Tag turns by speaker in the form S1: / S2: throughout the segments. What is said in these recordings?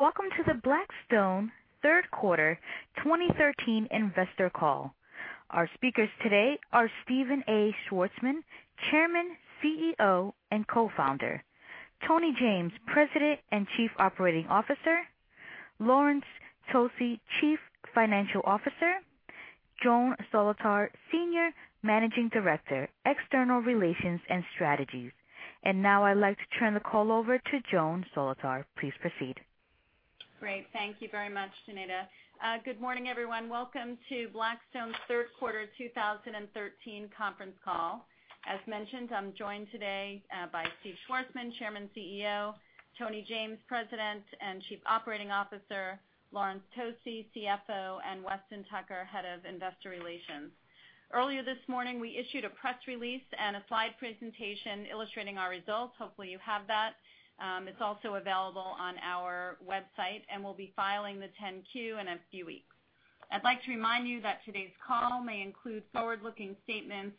S1: Welcome to the Blackstone third quarter 2013 investor call. Our speakers today are Stephen A. Schwarzman, Chairman, CEO, and Co-founder. Tony James, President and Chief Operating Officer. Laurence Tosi, Chief Financial Officer. Joan Solotar, Senior Managing Director, External Relations and Strategies. Now I'd like to turn the call over to Joan Solotar. Please proceed.
S2: Great. Thank you very much, Janita. Good morning, everyone. Welcome to Blackstone's third quarter 2013 conference call. As mentioned, I'm joined today by Steve Schwarzman, Chairman, CEO. Tony James, President and Chief Operating Officer, Laurence Tosi, CFO, and Weston Tucker, Head of Investor Relations. Earlier this morning, we issued a press release and a slide presentation illustrating our results. Hopefully, you have that. It's also available on our website, and we'll be filing the 10-Q in a few weeks. I'd like to remind you that today's call may include forward-looking statements,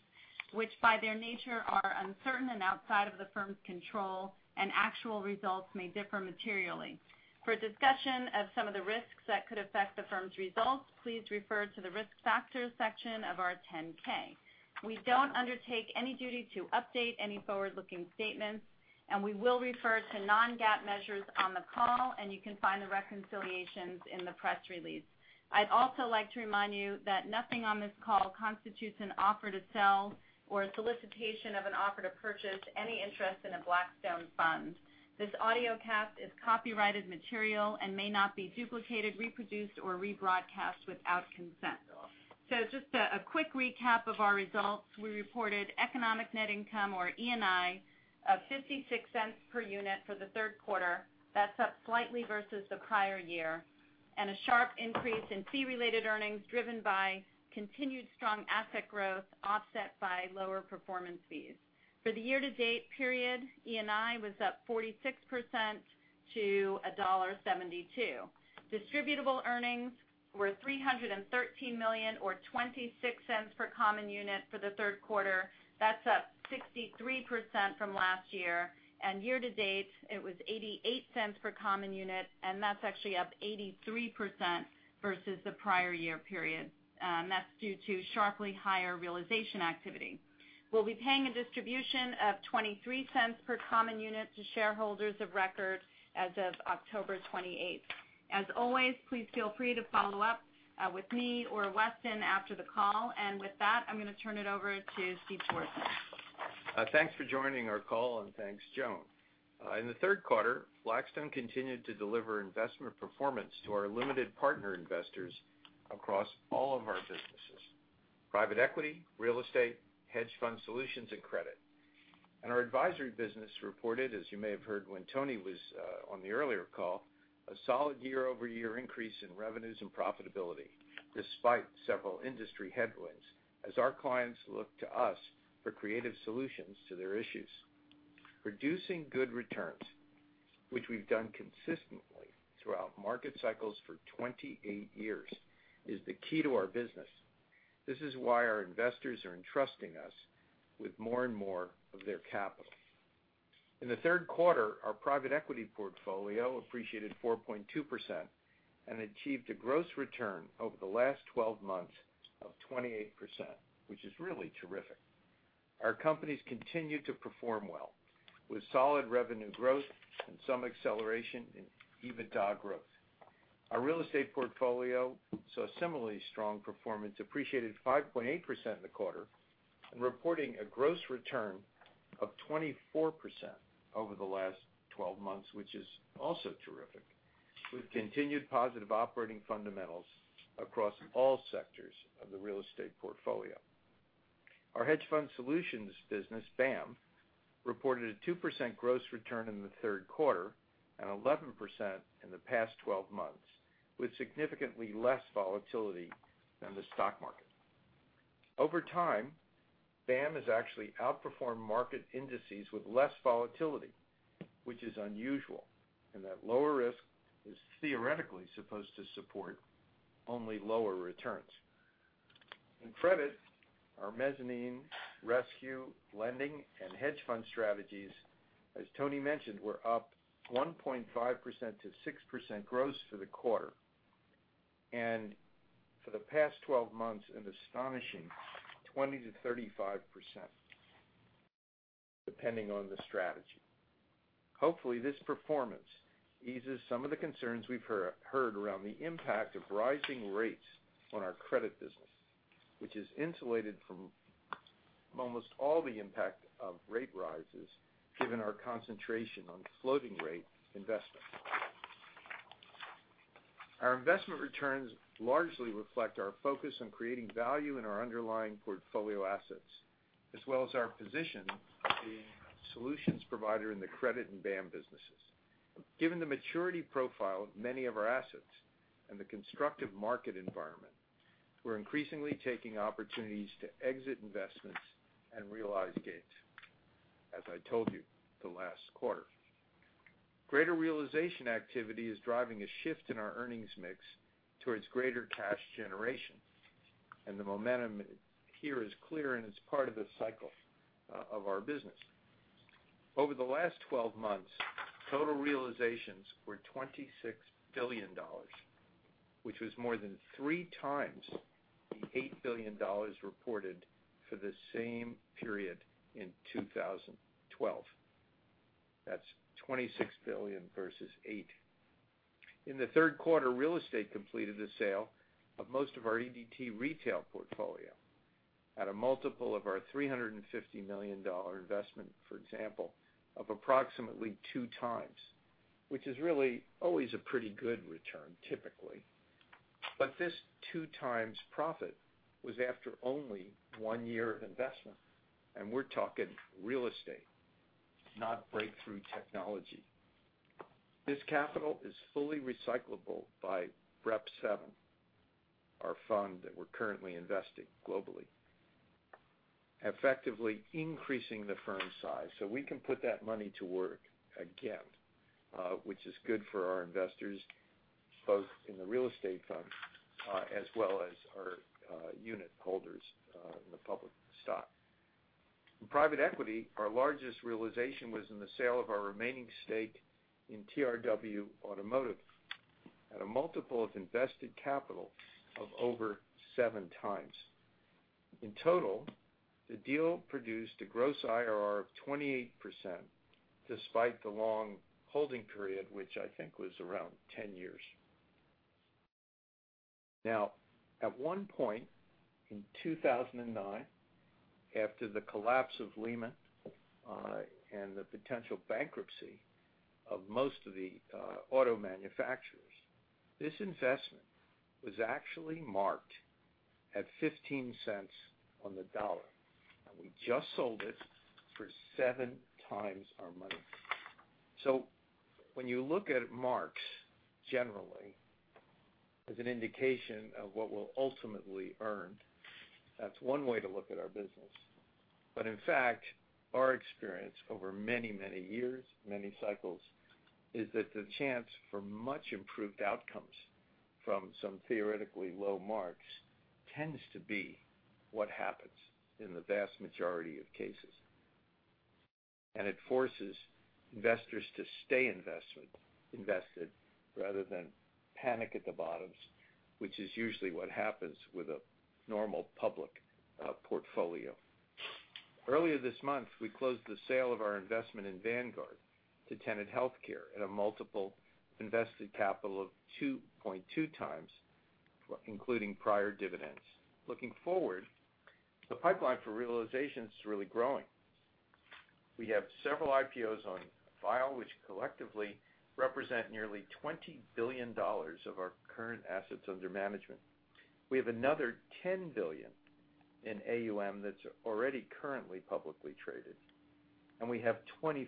S2: which by their nature are uncertain and outside of the firm's control, and actual results may differ materially. For a discussion of some of the risks that could affect the firm's results, please refer to the Risk Factors section of our 10-K. We don't undertake any duty to update any forward-looking statements. We will refer to non-GAAP measures on the call, and you can find the reconciliations in the press release. I'd also like to remind you that nothing on this call constitutes an offer to sell or a solicitation of an offer to purchase any interest in a Blackstone fund. This audiocast is copyrighted material and may not be duplicated, reproduced, or rebroadcast without consent. Just a quick recap of our results. We reported economic net income or ENI of $0.56 per unit for the third quarter. That's up slightly versus the prior year. A sharp increase in fee-related earnings driven by continued strong asset growth, offset by lower performance fees. For the year-to-date period, ENI was up 46% to $1.72. Distributable earnings were $313 million, or $0.26 per common unit for the third quarter. That's up 63% from last year. Year to date, it was $0.88 per common unit, that's actually up 83% versus the prior year period. That's due to sharply higher realization activity. We'll be paying a distribution of $0.23 per common unit to shareholders of record as of October 28th. As always, please feel free to follow up with me or Weston after the call. With that, I'm going to turn it over to Steve Schwarzman.
S3: Thanks for joining our call, and thanks, Joan. In the third quarter, Blackstone continued to deliver investment performance to our limited partner investors across all of our businesses, private equity, real estate, hedge fund solutions, and credit. Our advisory business reported, as you may have heard when Tony was on the earlier call, a solid year-over-year increase in revenues and profitability, despite several industry headwinds as our clients look to us for creative solutions to their issues. Producing good returns, which we've done consistently throughout market cycles for 28 years, is the key to our business. This is why our investors are entrusting us with more and more of their capital. In the third quarter, our private equity portfolio appreciated 4.2% and achieved a gross return over the last 12 months of 28%, which is really terrific. Our companies continue to perform well, with solid revenue growth and some acceleration in EBITDA growth. Our real estate portfolio saw similarly strong performance, appreciated 5.8% in the quarter, and reporting a gross return of 24% over the last 12 months, which is also terrific, with continued positive operating fundamentals across all sectors of the real estate portfolio. Our hedge fund solutions business, BAM, reported a 2% gross return in the third quarter and 11% in the past 12 months, with significantly less volatility than the stock market. Over time, BAM has actually outperformed market indices with less volatility, which is unusual, and that lower risk is theoretically supposed to support only lower returns. In credit, our mezzanine, rescue, lending, and hedge fund strategies, as Tony mentioned, were up 1.5%-6% gross for the quarter. For the past 12 months, an astonishing 20%-35%, depending on the strategy. Hopefully, this performance eases some of the concerns we've heard around the impact of rising rates on our credit business, which is insulated from almost all the impact of rate rises given our concentration on floating rate investments. Our investment returns largely reflect our focus on creating value in our underlying portfolio assets, as well as our position as being a solutions provider in the credit and BAM businesses. Given the maturity profile of many of our assets and the constructive market environment, we're increasingly taking opportunities to exit investments and realize gains, as I told you the last quarter. Greater realization activity is driving a shift in our earnings mix towards greater cash generation. The momentum here is clear, and it's part of the cycle of our business. Over the last 12 months, total realizations were $26 billion, which was more than three times the $8 billion reported for the same period in 2012. That's $26 billion versus $8. In the third quarter, real estate completed the sale of most of our EDT Retail Trust at a multiple of our $350 million investment, for example, of approximately two times, which is really always a pretty good return typically. This two times profit was after only one year of investment, and we're talking real estate, not breakthrough technology. This capital is fully recyclable by Rep VII, our fund that we're currently investing globally, effectively increasing the firm size so we can put that money to work again, which is good for our investors, both in the real estate fund as well as our unitholders in the public stock. In private equity, our largest realization was in the sale of our remaining stake in TRW Automotive at a multiple of invested capital of over 7x. In total, the deal produced a gross IRR of 28%, despite the long holding period, which I think was around 10 years. At one point in 2009, after the collapse of Lehman, and the potential bankruptcy of most of the auto manufacturers, this investment was actually marked at $0.15 on the dollar. We just sold it for 7x our money. When you look at marks generally as an indication of what we'll ultimately earn, that's one way to look at our business. In fact, our experience over many years, many cycles, is that the chance for much improved outcomes from some theoretically low marks tends to be what happens in the vast majority of cases. It forces investors to stay invested rather than panic at the bottoms, which is usually what happens with a normal public portfolio. Earlier this month, we closed the sale of our investment in Vanguard to Tenet Healthcare at a multiple invested capital of 2.2x, including prior dividends. Looking forward, the pipeline for realization is really growing. We have several IPOs on file, which collectively represent nearly $20 billion of our current assets under management. We have another $10 billion in AUM that's already currently publicly traded, and we have $25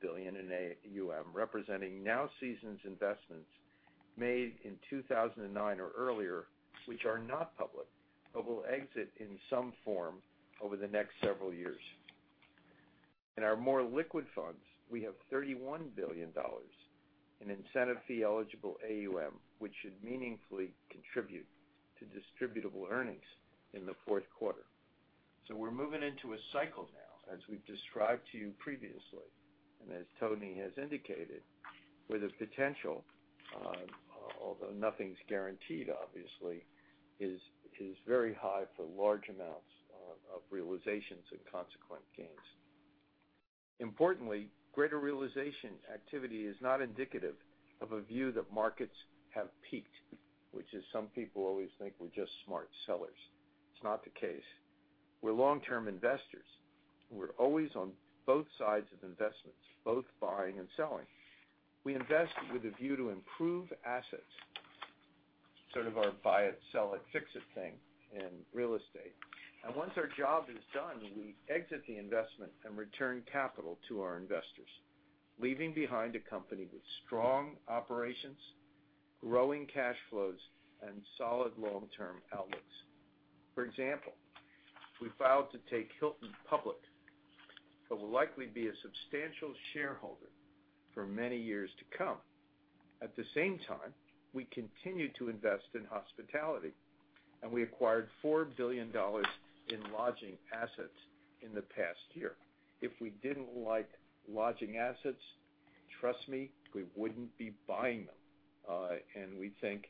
S3: billion in AUM representing now seasons investments made in 2009 or earlier, which are not public but will exit in some form over the next several years. In our more liquid funds, we have $31 billion in incentive-fee-eligible AUM, which should meaningfully contribute to distributable earnings in the fourth quarter. We're moving into a cycle now, as we've described to you previously, and as Tony has indicated, where the potential, although nothing's guaranteed obviously, is very high for large amounts of realizations and consequent gains. Importantly, greater realization activity is not indicative of a view that markets have peaked, which is some people always think we're just smart sellers. It's not the case. We're long-term investors. We're always on both sides of investments, both buying and selling. We invest with a view to improve assets, sort of our buy it, sell it, fix it thing in real estate. Once our job is done, we exit the investment and return capital to our investors, leaving behind a company with strong operations, growing cash flows, and solid long-term outlooks. For example, we filed to take Hilton public, but we'll likely be a substantial shareholder for many years to come. At the same time, we continue to invest in hospitality, and we acquired $4 billion in lodging assets in the past year. If we didn't like lodging assets, trust me, we wouldn't be buying them. We think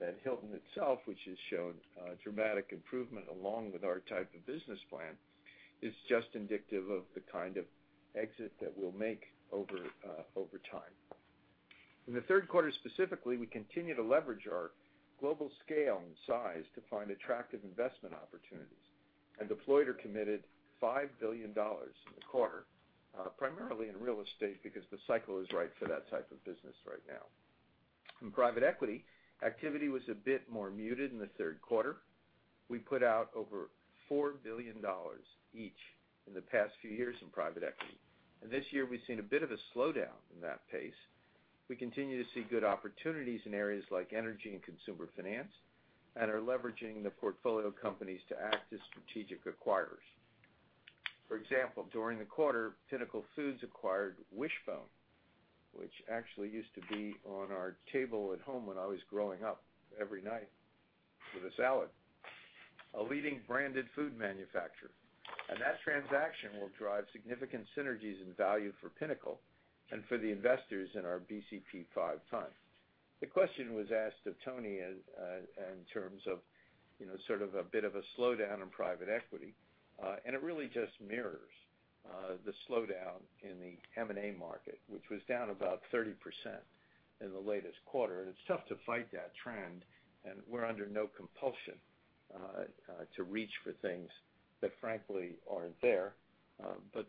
S3: that Hilton itself, which has shown dramatic improvement along with our type of business plan, is just indicative of the kind of exit that we'll make over time. The third quarter specifically, we continue to leverage our global scale and size to find attractive investment opportunities and deployed or committed $5 billion in the quarter, primarily in real estate because the cycle is right for that type of business right now. In private equity, activity was a bit more muted in the third quarter. We put out over $4 billion each in the past few years in private equity. This year, we've seen a bit of a slowdown in that pace. We continue to see good opportunities in areas like energy and consumer finance and are leveraging the portfolio companies to act as strategic acquirers. For example, during the quarter, Pinnacle Foods acquired Wish-Bone, which actually used to be on our table at home when I was growing up every night with a salad, a leading branded food manufacturer. That transaction will drive significant synergies and value for Pinnacle and for the investors in our BCP V fund. The question was asked of Tony in terms of sort of a bit of a slowdown in private equity, it really just mirrors the slowdown in the M&A market, which was down about 30% in the latest quarter. It's tough to fight that trend, we're under no compulsion to reach for things that frankly aren't there.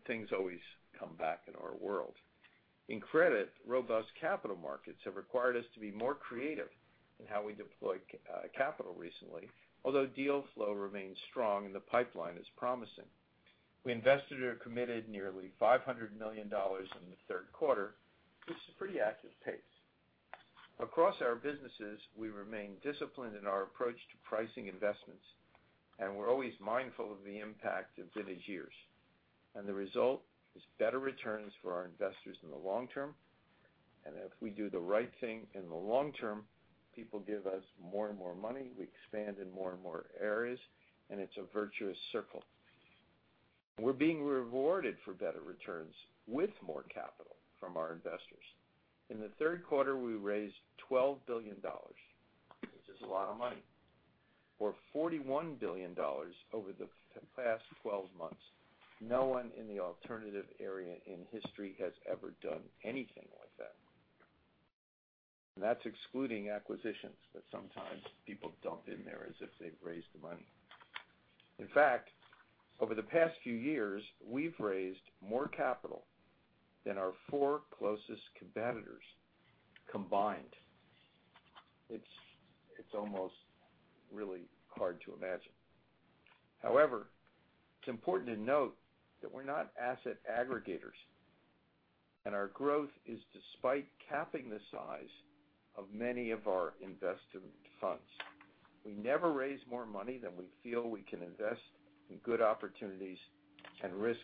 S3: Things always come back in our world. In credit, robust capital markets have required us to be more creative in how we deploy capital recently, although deal flow remains strong and the pipeline is promising. We invested or committed nearly $500 million in the third quarter, which is a pretty active pace. Across our businesses, we remain disciplined in our approach to pricing investments, and we're always mindful of the impact of vintage years. The result is better returns for our investors in the long term, if we do the right thing in the long term, people give us more and more money. We expand in more and more areas, it's a virtuous circle. We're being rewarded for better returns with more capital from our investors. In the third quarter, we raised $12 billion, which is a lot of money, or $41 billion over the past 12 months. No one in the alternative area in history has ever done anything like that. That's excluding acquisitions that sometimes people dump in there as if they've raised the money. In fact, over the past few years, we've raised more capital than our four closest competitors combined. It's almost really hard to imagine. However, it's important to note that we're not asset aggregators, our growth is despite capping the size of many of our investment funds. We never raise more money than we feel we can invest in good opportunities and risk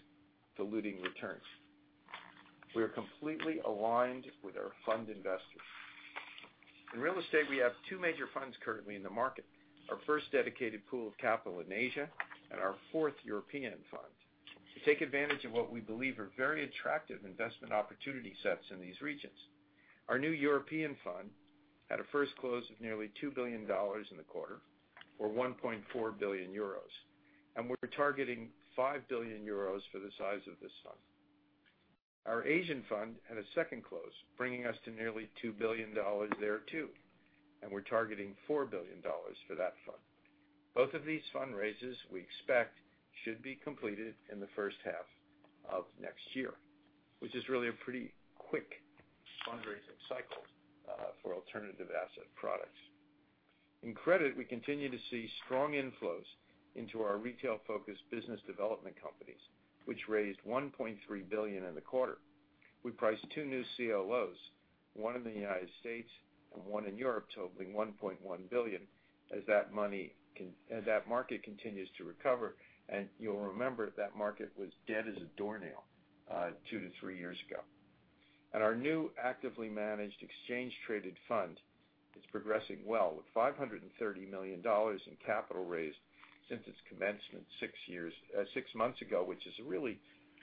S3: diluting returns. We are completely aligned with our fund investors. In real estate, we have two major funds currently in the market, our first dedicated pool of capital in Asia and our fourth European fund, to take advantage of what we believe are very attractive investment opportunity sets in these regions. Our new European fund had a first close of nearly $2 billion in the quarter, or €1.4 billion, we're targeting €5 billion for the size of this fund. Our Asian fund had a second close, bringing us to nearly $2 billion there too, we're targeting $4 billion for that fund. Both of these fundraisers, we expect, should be completed in the first half of next year, which is really a pretty quick fundraising cycle for alternative asset products. In credit, we continue to see strong inflows into our retail-focused business development companies, which raised $1.3 billion in the quarter. We priced two new CLOs, one in the U.S. and one in Europe, totaling $1.1 billion as that market continues to recover. You'll remember that market was dead as a doornail two to three years ago. Our new actively managed exchange-traded fund is progressing well with $530 million in capital raised since its commencement six months ago, which is really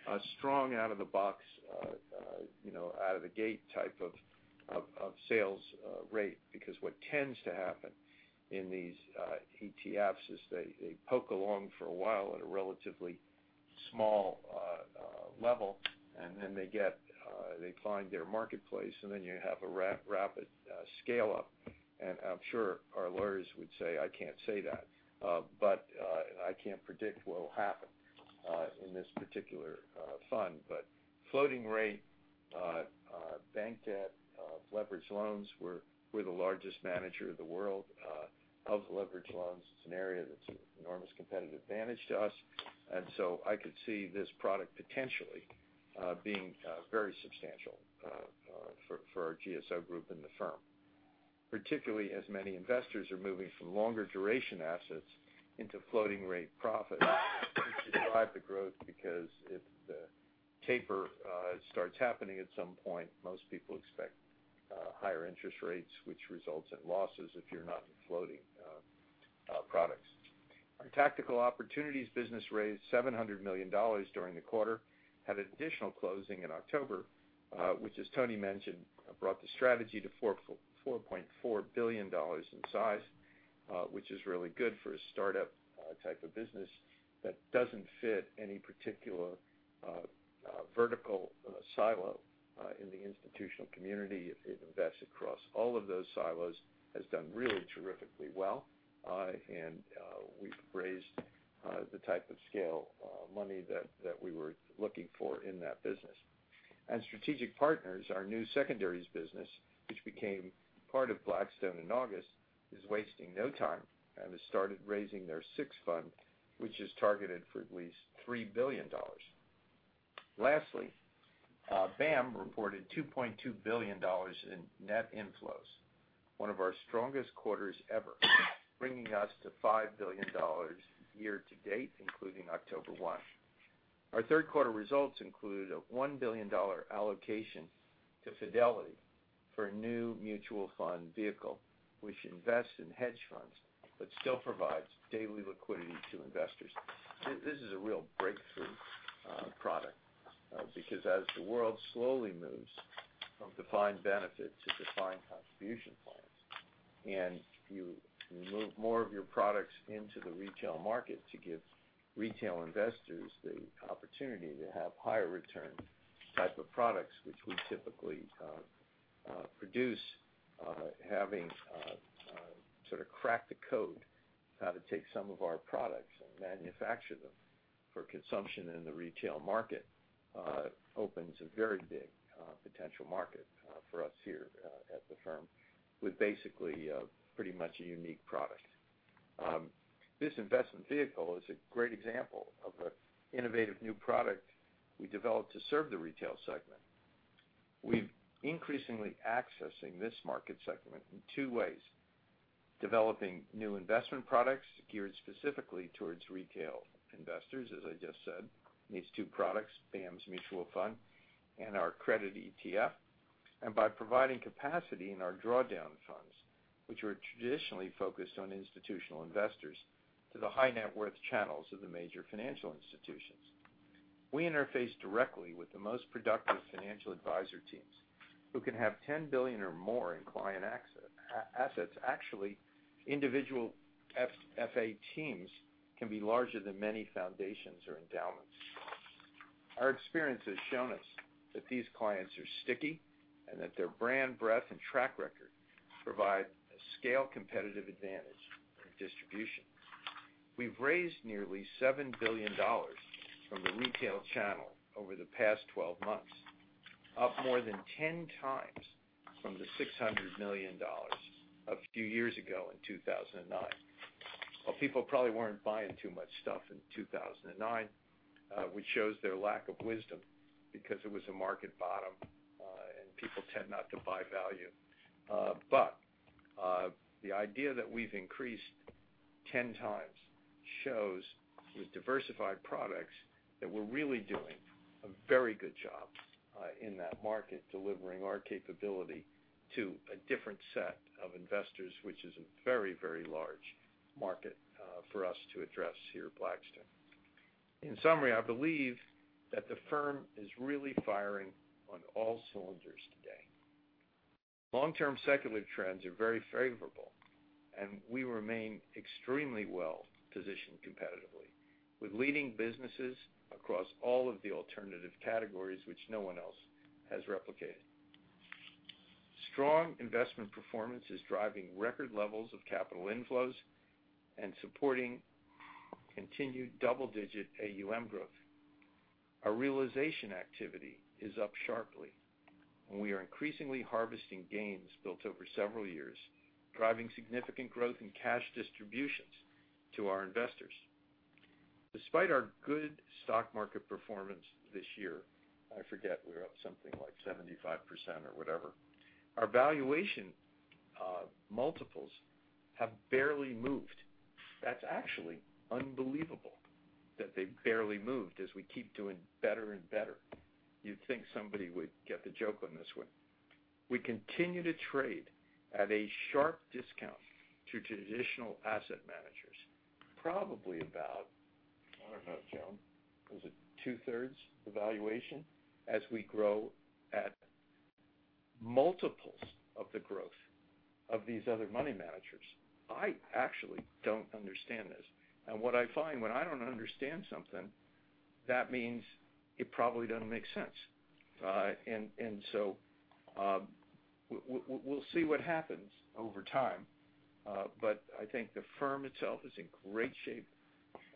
S3: a strong out-of-the-box, out-of-the-gate type of sales rate. Because what tends to happen in these ETFs is they poke along for a while at a relatively small level, then they find their marketplace, then you have a rapid scale-up. I'm sure our lawyers would say I can't say that, I can't predict what will happen in this particular fund. Floating rate bank debt, leveraged loans, we're the largest manager in the world of leveraged loans. It's an area that's an enormous competitive advantage to us. I could see this product potentially being very substantial for our GSO group in the firm, particularly as many investors are moving from longer duration assets into floating rate profits, which drive the growth because if the taper starts happening at some point, most people expect higher interest rates, which results in losses if you're not in floating products. Our tactical opportunities business raised $700 million during the quarter, had additional closing in October, which, as Tony mentioned, brought the strategy to $4.4 billion in size, which is really good for a startup type of business that doesn't fit any particular vertical silo in the institutional community. It invests across all of those silos, has done really terrifically well, we've raised the type of scale money that we were looking for in that business. Strategic Partners, our new secondaries business, which became part of Blackstone in August, is wasting no time and has started raising their sixth fund, which is targeted for at least $3 billion. Lastly, BAAM reported $2.2 billion in net inflows, one of our strongest quarters ever, bringing us to $5 billion year to date, including October 1. Our third quarter results include a $1 billion allocation to Fidelity for a new mutual fund vehicle, which invests in hedge funds but still provides daily liquidity to investors. This is a real breakthrough product because as the world slowly moves from defined benefit to defined contribution plans, you move more of your products into the retail market to give retail investors the opportunity to have higher return type of products, which we typically produce, having sort of cracked the code, how to take some of our products and manufacture them for consumption in the retail market, opens a very big potential market for us here at the firm, with basically pretty much a unique product. This investment vehicle is a great example of an innovative new product we developed to serve the retail segment. We're increasingly accessing this market segment in two ways, developing new investment products geared specifically towards retail investors, as I just said, these two products, BAAM's mutual fund and our credit ETF. By providing capacity in our drawdown funds, which were traditionally focused on institutional investors to the high net worth channels of the major financial institutions. We interface directly with the most productive financial advisor teams, who can have $10 billion or more in client assets. Actually, individual FA teams can be larger than many foundations or endowments. Our experience has shown us that these clients are sticky and that their brand breadth and track record provide a scale competitive advantage in distribution. We've raised nearly $7 billion from the retail channel over the past 12 months, up more than 10 times from the $600 million a few years ago in 2009. Well, people probably weren't buying too much stuff in 2009, which shows their lack of wisdom, because it was a market bottom, and people tend not to buy value. The idea that we've increased 10 times shows with diversified products that we're really doing a very good job in that market, delivering our capability to a different set of investors, which is a very large market for us to address here at Blackstone. In summary, I believe that the firm is really firing on all cylinders today. Long-term secular trends are very favorable, and we remain extremely well positioned competitively with leading businesses across all of the alternative categories which no one else has replicated. Strong investment performance is driving record levels of capital inflows and supporting continued double-digit AUM growth. Our realization activity is up sharply, and we are increasingly harvesting gains built over several years, driving significant growth in cash distributions to our investors. Despite our good stock market performance this year, I forget we're up something like 75% or whatever, our valuation multiples have barely moved. That's actually unbelievable that they've barely moved as we keep doing better and better. You'd think somebody would get the joke on this one. We continue to trade at a sharp discount to traditional asset managers, probably about I don't know, Joan. Was it two-thirds valuation as we grow at multiples of the growth of these other money managers? I actually don't understand this. What I find when I don't understand something, that means it probably doesn't make sense. We'll see what happens over time. I think the firm itself is in great shape,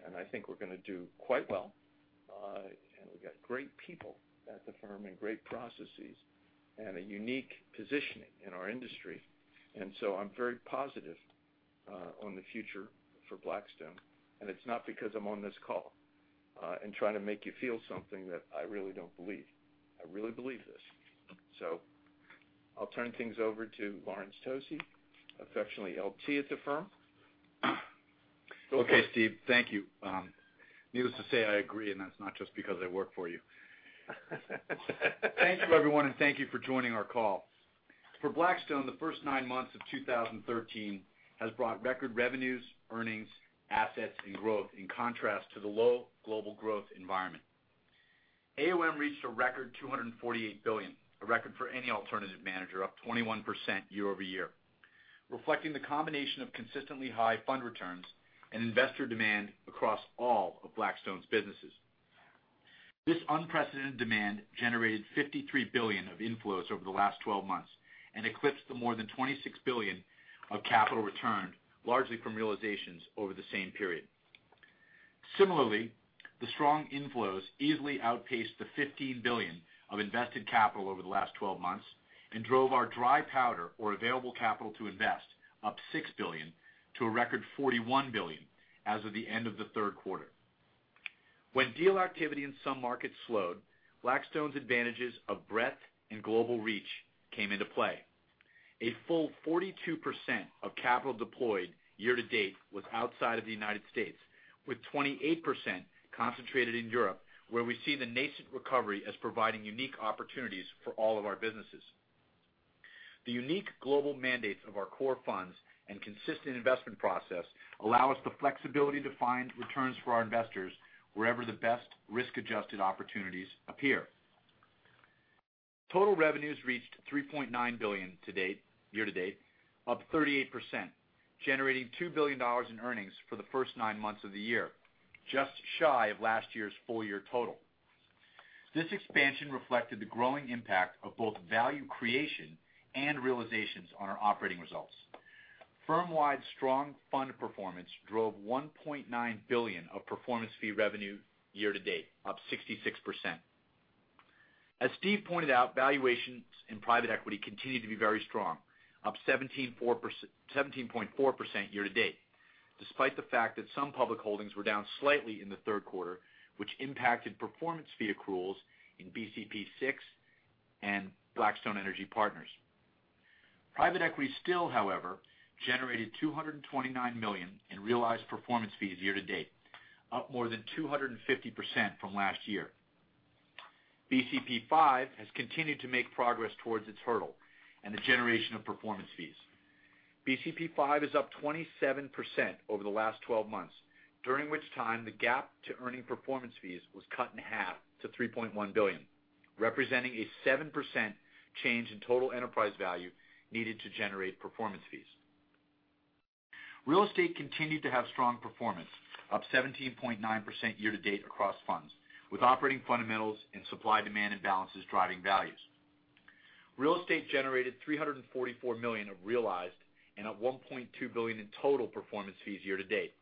S3: and I think we're going to do quite well. We've got great people at the firm and great processes and a unique positioning in our industry. I'm very positive on the future for Blackstone. It's not because I'm on this call, and trying to make you feel something that I really don't believe. I really believe this. I'll turn things over to Laurence Tosi, affectionately LT at the firm.
S4: Okay, Steve. Thank you. Needless to say, I agree, and that's not just because I work for you. Thank you, everyone, and thank you for joining our call. For Blackstone, the first nine months of 2013 has brought record revenues, earnings, assets, and growth in contrast to the low global growth environment. AUM reached a record $248 billion, a record for any alternative manager, up 21% year-over-year, reflecting the combination of consistently high fund returns and investor demand across all of Blackstone's businesses. This unprecedented demand generated $53 billion of inflows over the last 12 months and eclipsed the more than $26 billion of capital returned, largely from realizations over the same period. Similarly, the strong inflows easily outpaced the $15 billion of invested capital over the last 12 months and drove our dry powder, or available capital to invest, up $6 billion to a record $41 billion as of the end of the third quarter. When deal activity in some markets slowed, Blackstone's advantages of breadth and global reach came into play. A full 42% of capital deployed year-to-date was outside of the United States, with 28% concentrated in Europe, where we see the nascent recovery as providing unique opportunities for all of our businesses. The unique global mandates of our core funds and consistent investment process allow us the flexibility to find returns for our investors wherever the best risk-adjusted opportunities appear. Total revenues reached $3.9 billion year-to-date, up 38%, generating $2 billion in earnings for the first nine months of the year, just shy of last year's full year total. This expansion reflected the growing impact of both value creation and realizations on our operating results. Firmwide strong fund performance drove $1.9 billion of performance fee revenue year-to-date, up 66%. As Steve pointed out, valuations in private equity continued to be very strong, up 17.4% year-to-date, despite the fact that some public holdings were down slightly in the third quarter, which impacted performance fee accruals in BCP VI and Blackstone Energy Partners. Private equity still, however, generated $229 million in realized performance fees year-to-date, up more than 250% from last year. BCP V has continued to make progress towards its hurdle and the generation of performance fees. BCP V is up 27% over the last 12 months, during which time the gap to earning performance fees was cut in half to $3.1 billion, representing a 7% change in total enterprise value needed to generate performance fees. Real estate continued to have strong performance, up 17.9% year-to-date across funds, with operating fundamentals and supply-demand imbalances driving values. Real estate generated $344 million of realized and $1.2 billion in total performance fees year-to-date.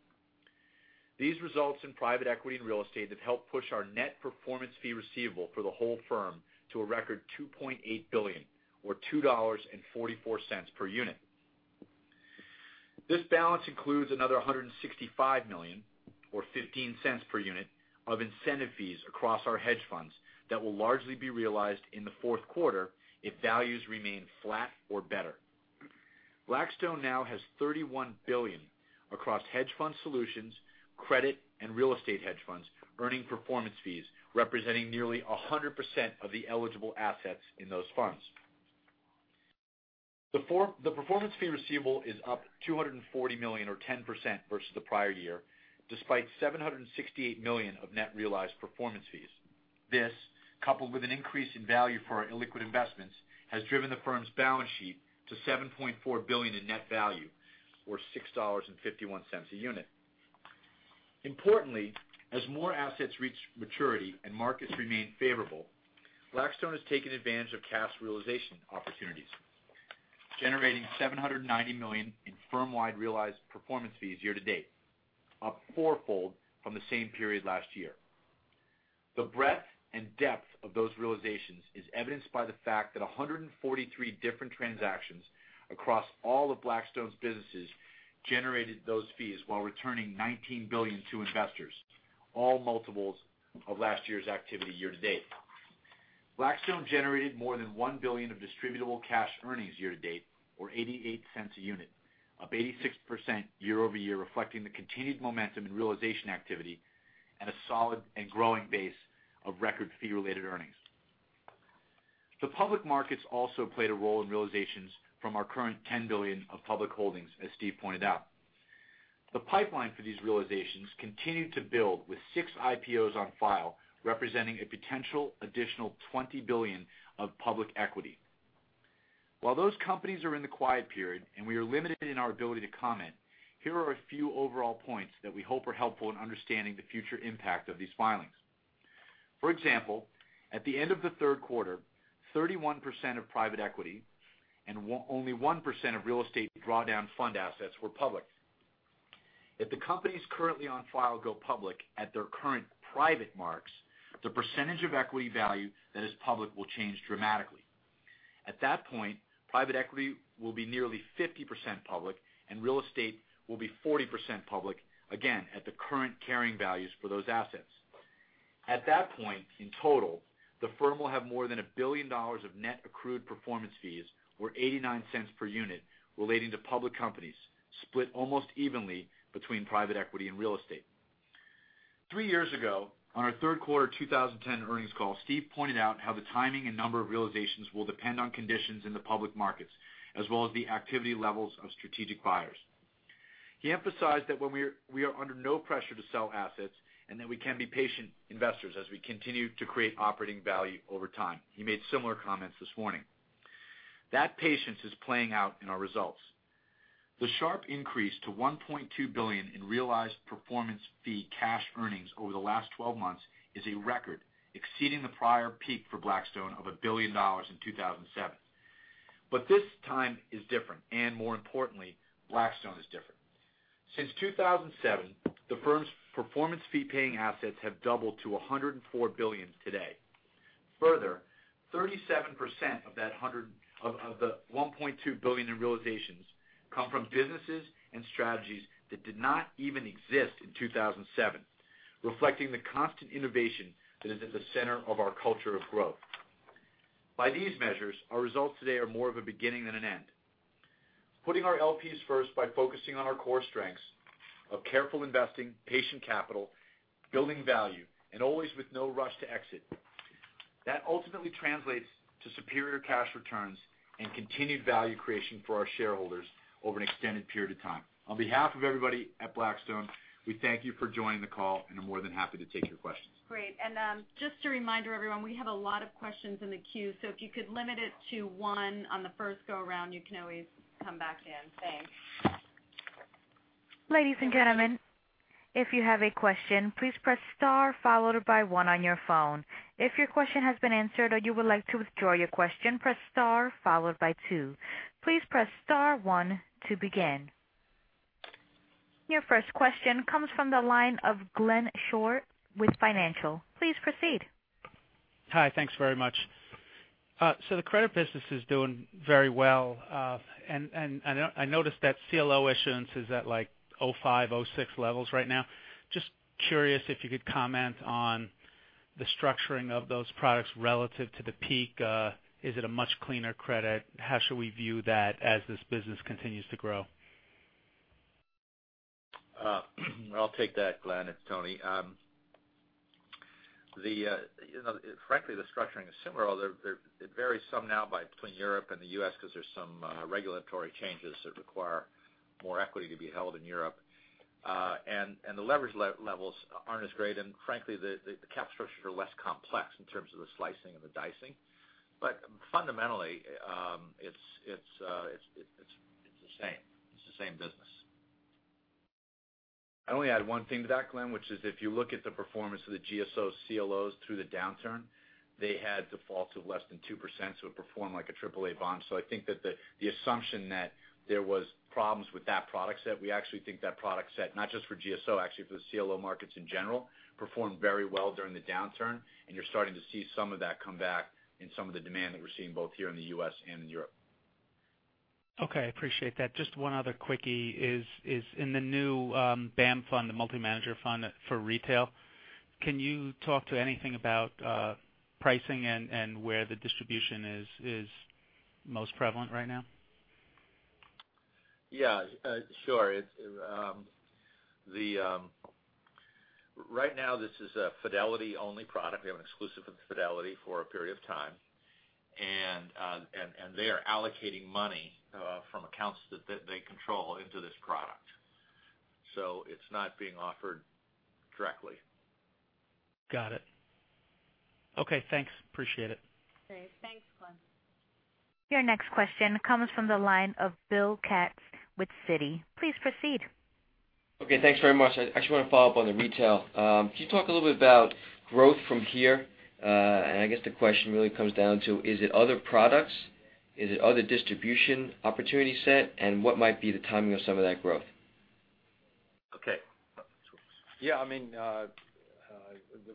S4: These results in private equity and real estate have helped push our net performance fee receivable for the whole firm to a record $2.8 billion or $2.44 per unit. This balance includes another $165 million, or $0.15 per unit, of incentive fees across our hedge funds that will largely be realized in the fourth quarter if values remain flat or better. Blackstone now has $31 billion across hedge fund solutions, credit, and real estate hedge funds, earning performance fees representing nearly 100% of the eligible assets in those funds. The performance fee receivable is up $240 million or 10% versus the prior year, despite $768 million of net realized performance fees. This, coupled with an increase in value for our illiquid investments, has driven the firm's balance sheet to $7.4 billion in net value, or $6.51 a unit. Importantly, as more assets reach maturity and markets remain favorable, Blackstone has taken advantage of cash realization opportunities, generating $790 million in firm-wide realized performance fees year to date, up fourfold from the same period last year. The breadth and depth of those realizations is evidenced by the fact that 143 different transactions across all of Blackstone's businesses generated those fees while returning $19 billion to investors, all multiples of last year's activity year to date. Blackstone generated more than $1 billion of distributable cash earnings year to date, or $0.88 a unit, up 86% year-over-year, reflecting the continued momentum in realization activity and a solid and growing base of record fee-related earnings. The public markets also played a role in realizations from our current $10 billion of public holdings, as Steve pointed out. The pipeline for these realizations continued to build with six IPOs on file, representing a potential additional $20 billion of public equity. Those companies are in the quiet period and we are limited in our ability to comment, here are a few overall points that we hope are helpful in understanding the future impact of these filings. For example, at the end of the third quarter, 31% of private equity and only 1% of real estate drawdown fund assets were public. If the companies currently on file go public at their current private marks, the percentage of equity value that is public will change dramatically. At that point, private equity will be nearly 50% public, and real estate will be 40% public, again, at the current carrying values for those assets. At that point, in total, the firm will have more than $1 billion of net accrued performance fees or $0.89 per unit relating to public companies, split almost evenly between private equity and real estate. Three years ago, on our third quarter 2010 earnings call, Steve pointed out how the timing and number of realizations will depend on conditions in the public markets, as well as the activity levels of strategic buyers. He emphasized that we are under no pressure to sell assets and that we can be patient investors as we continue to create operating value over time. He made similar comments this morning. That patience is playing out in our results. The sharp increase to $1.2 billion in realized performance fee cash earnings over the last 12 months is a record, exceeding the prior peak for Blackstone of $1 billion in 2007. This time is different, and more importantly, Blackstone is different. Since 2007, the firm's performance fee-paying assets have doubled to $104 billion today. 37% of the $1.2 billion in realizations come from businesses and strategies that did not even exist in 2007, reflecting the constant innovation that is at the center of our culture of growth. By these measures, our results today are more of a beginning than an end. Putting our LPs first by focusing on our core strengths of careful investing, patient capital, building value, always with no rush to exit. That ultimately translates to superior cash returns and continued value creation for our shareholders over an extended period of time. On behalf of everybody at Blackstone, we thank you for joining the call, I'm more than happy to take your questions.
S5: Great. Just a reminder, everyone, we have a lot of questions in the queue, so if you could limit it to one on the first go-round, you can always come back to then. Thanks.
S1: Ladies and gentlemen, if you have a question, please press star followed by one on your phone. If your question has been answered or you would like to withdraw your question, press star followed by two. Please press star one to begin. Your first question comes from the line of Glenn Schorr with Nomura. Please proceed.
S6: Hi. Thanks very much. The credit business is doing very well, I noticed that CLO issuance is at like 2005, 2006 levels right now. Just curious if you could comment on the structuring of those products relative to the peak. Is it a much cleaner credit? How should we view that as this business continues to grow?
S7: I'll take that, Glenn. It's Tony. Frankly, the structuring is similar, although it varies some now between Europe and the U.S. because there's some regulatory changes that require more equity to be held in Europe. The leverage levels aren't as great, and frankly, the cap structures are less complex in terms of the slicing and the dicing. Fundamentally, it's the same business.
S4: I only add one thing to that, Glenn, which is if you look at the performance of the GSO CLOs through the downturn, they had defaults of less than 2%, so it performed like a AAA bond. I think that the assumption that there was problems with that product set, we actually think that product set, not just for GSO, actually for the CLO markets in general, performed very well during the downturn, and you're starting to see some of that come back in some of the demand that we're seeing both here in the U.S. and in Europe.
S6: Okay. I appreciate that. Just one other quickie is in the new BAAM fund, the multi-manager fund for retail, can you talk to anything about pricing and where the distribution is most prevalent right now?
S7: Yeah, sure. Right now, this is a Fidelity-only product. We have an exclusive with Fidelity for a period of time, and they are allocating money from accounts that they control into this product. It's not being offered directly.
S6: Got it. Okay, thanks. Appreciate it.
S5: Great. Thanks, Glenn.
S1: Your next question comes from the line of William Katz with Citi. Please proceed.
S8: Okay, thanks very much. I actually want to follow up on the retail. Can you talk a little bit about growth from here? I guess the question really comes down to, is it other products? Is it other distribution opportunity set? What might be the timing of some of that growth?
S3: Yeah, the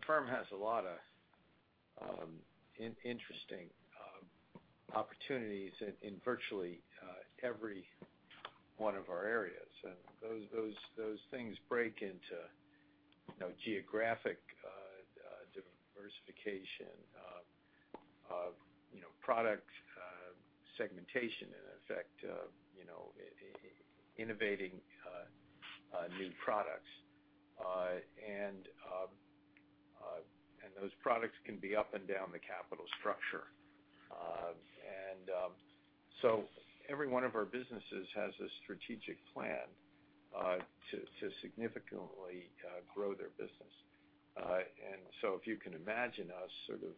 S3: firm has a lot of interesting opportunities in virtually every one of our areas. Those things break into geographic diversification, product segmentation, and in effect innovating new products. Those products can be up and down the capital structure. Every one of our businesses has a strategic plan to significantly grow their business. If you can imagine us sort of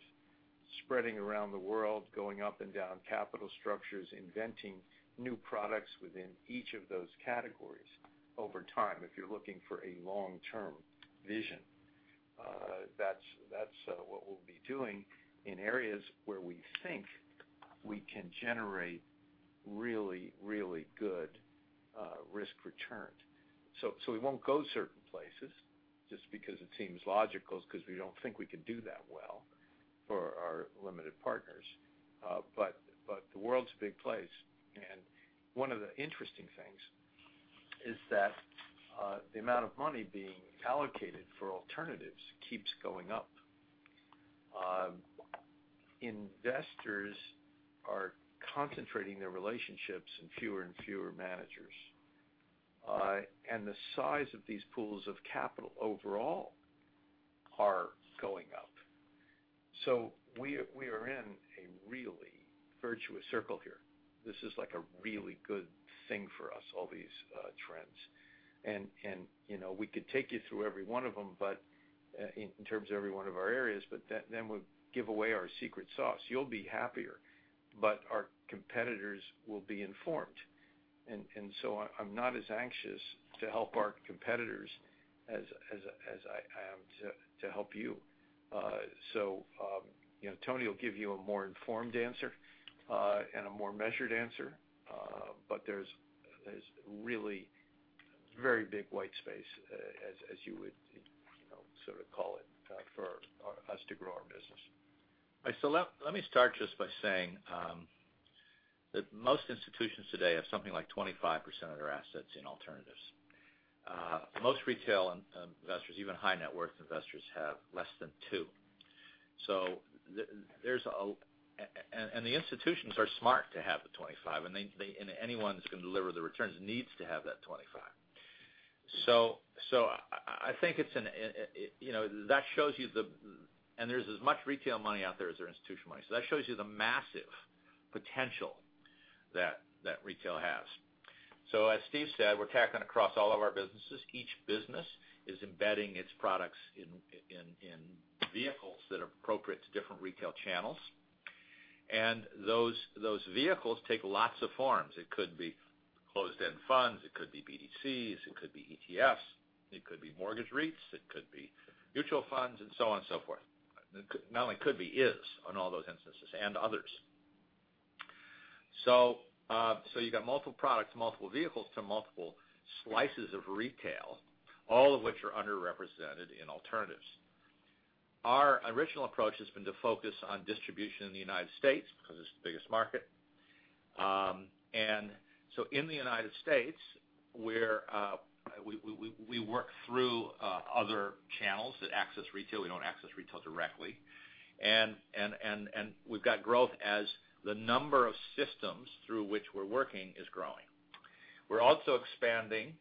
S3: spreading around the world, going up and down capital structures, inventing new products within each of those categories over time, if you're looking for a long-term vision, that's what we'll be doing in areas where we think we can generate really, really good risk returns. We won't go certain places just because it seems logical because we don't think we could do that well for our limited partners. The world's a big place, and one of the interesting things is that the amount of money being allocated for alternatives keeps going up. Investors are concentrating their relationships in fewer and fewer managers. The size of these pools of capital overall are going up. We are in a really virtuous circle here. This is a really good thing for us, all these trends. We could take you through every one of them in terms of every one of our areas, we'll give away our secret sauce. You'll be happier, our competitors will be informed I'm not as anxious to help our competitors as I am to help you. Tony will give you a more informed answer and a more measured answer. There's really very big white space, as you would call it, for us to grow our business.
S7: Let me start just by saying that most institutions today have something like 25% of their assets in alternatives. Most retail investors, even high net worth investors, have less than two. The institutions are smart to have the 25, and anyone that's going to deliver the returns needs to have that 25. I think that shows you the There's as much retail money out there as there is institutional money. That shows you the massive potential that retail has. As Steve said, we're tackling across all of our businesses. Each business is embedding its products in vehicles that are appropriate to different retail channels. Those vehicles take lots of forms. It could be closed-end funds, it could be BDCs, it could be ETFs, it could be mortgage REITs, it could be mutual funds, and so on and so forth. Not only could be, is, on all those instances, and others. You got multiple products, multiple vehicles to multiple slices of retail, all of which are underrepresented in alternatives. Our original approach has been to focus on distribution in the United States because it's the biggest market. In the United States, we work through other channels that access retail. We don't access retail directly. We've got growth as the number of systems through which we're working is growing. We're also expanding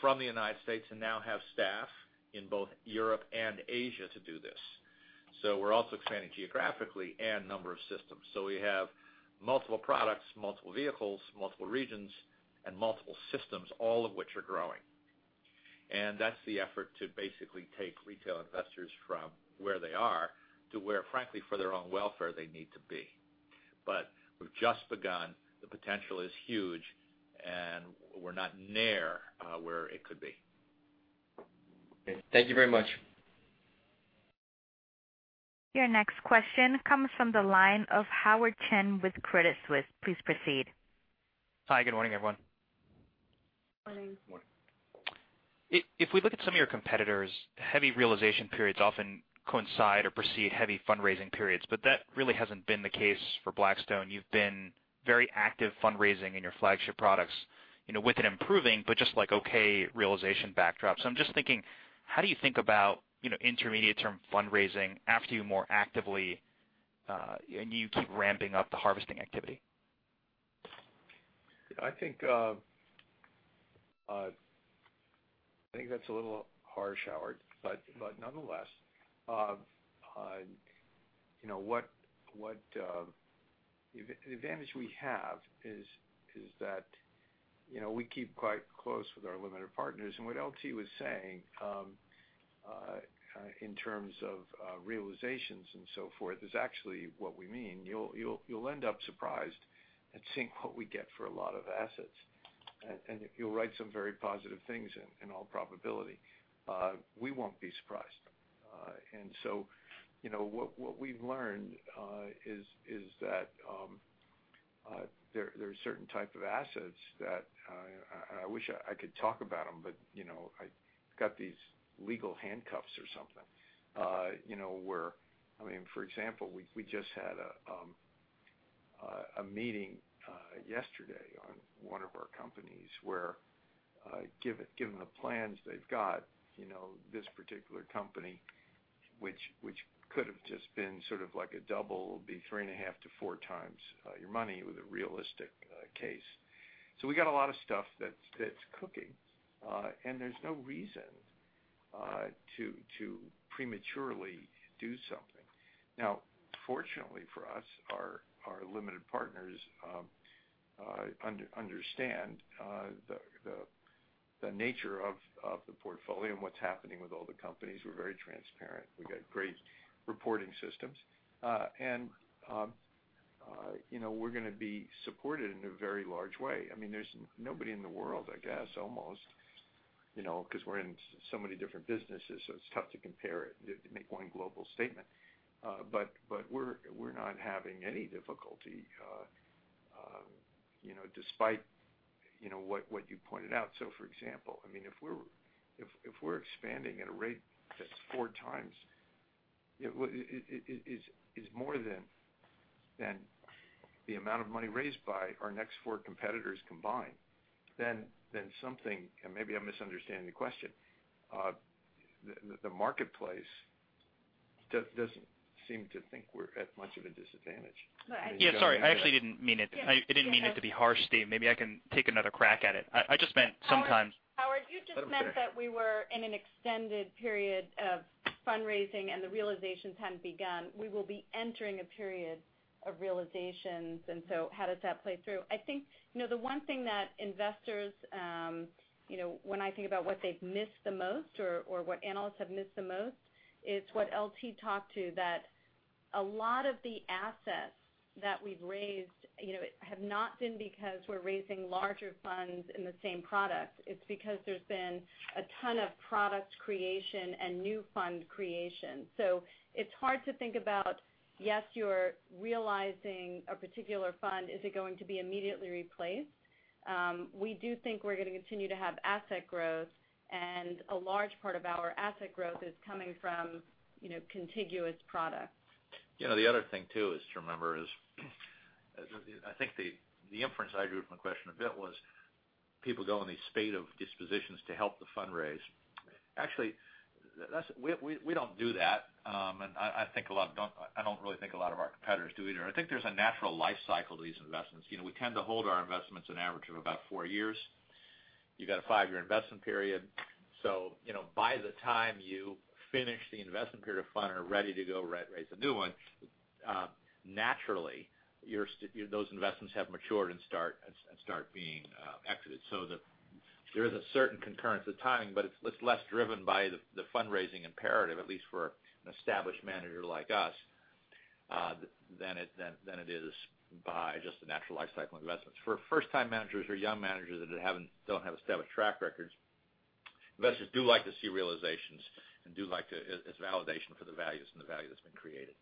S7: from the United States and now have staff in both Europe and Asia to do this. We're also expanding geographically and number of systems. We have multiple products, multiple vehicles, multiple regions, and multiple systems, all of which are growing. That's the effort to basically take retail investors from where they are to where, frankly, for their own welfare, they need to be. We've just begun. The potential is huge, and we're not near where it could be.
S8: Okay. Thank you very much.
S1: Your next question comes from the line of Howard Chen with Credit Suisse. Please proceed.
S9: Hi, good morning, everyone.
S2: Morning.
S7: Morning.
S9: If we look at some of your competitors, heavy realization periods often coincide or precede heavy fundraising periods. That really hasn't been the case for Blackstone. You've been very active fundraising in your flagship products, with it improving, but just like okay realization backdrop. I'm just thinking, how do you think about intermediate term fundraising after you more actively, and you keep ramping up the harvesting activity?
S3: I think that's a little harsh, Howard. Nonetheless, the advantage we have is that we keep quite close with our limited partners. What LT was saying in terms of realizations and so forth is actually what we mean. You'll end up surprised at seeing what we get for a lot of assets. You'll write some very positive things in all probability. We won't be surprised. What we've learned is that there are certain type of assets that, and I wish I could talk about them, but I got these legal handcuffs or something. For example, we just had a meeting yesterday on one of our companies where given the plans they've got, this particular company, which could've just been sort of like a double, be three and a half to four times your money with a realistic case. We got a lot of stuff that's cooking, and there's no reason to prematurely do something. Now, fortunately for us, our limited partners understand the nature of the portfolio and what's happening with all the companies. We're very transparent. We've got great reporting systems. We're going to be supported in a very large way. There's nobody in the world, I guess almost, because we're in so many different businesses so it's tough to compare it, to make one global statement. We're not having any difficulty despite what you pointed out. For example, if we're expanding at a rate that's four times is more than the amount of money raised by our next four competitors combined, then something, and maybe I'm misunderstanding the question, the marketplace doesn't seem to think we're at much of a disadvantage.
S9: Yeah, sorry. I actually didn't mean it to be harsh, Steve. Maybe I can take another crack at it.
S2: Howard, you just meant that we were in an extended period of fundraising, and the realizations hadn't begun. We will be entering a period of realizations. How does that play through? I think the one thing that investors, when I think about what they've missed the most or what analysts have missed the most, is what LT talked to. A lot of the assets that we've raised have not been because we're raising larger funds in the same product. It's because there's been a ton of product creation and new fund creation. It's hard to think about, yes, you're realizing a particular fund, is it going to be immediately replaced? We do think we're going to continue to have asset growth, and a large part of our asset growth is coming from contiguous products.
S7: The other thing too is to remember is, I think the inference I drew from the question a bit was people go in these spate of dispositions to help the fundraise. Actually, we don't do that. I don't really think a lot of our competitors do either. I think there's a natural life cycle to these investments. We tend to hold our investments an average of about four years. You've got a five-year investment period. By the time you finish the investment period of fund and are ready to go raise a new one, naturally, those investments have matured and start being exited. There is a certain concurrence of timing, but it's less driven by the fundraising imperative, at least for an established manager like us, than it is by just the natural life cycle of investments. For first-time managers or young managers that don't have established track records, investors do like to see realizations and do like to, as validation for the values and the value that's been created.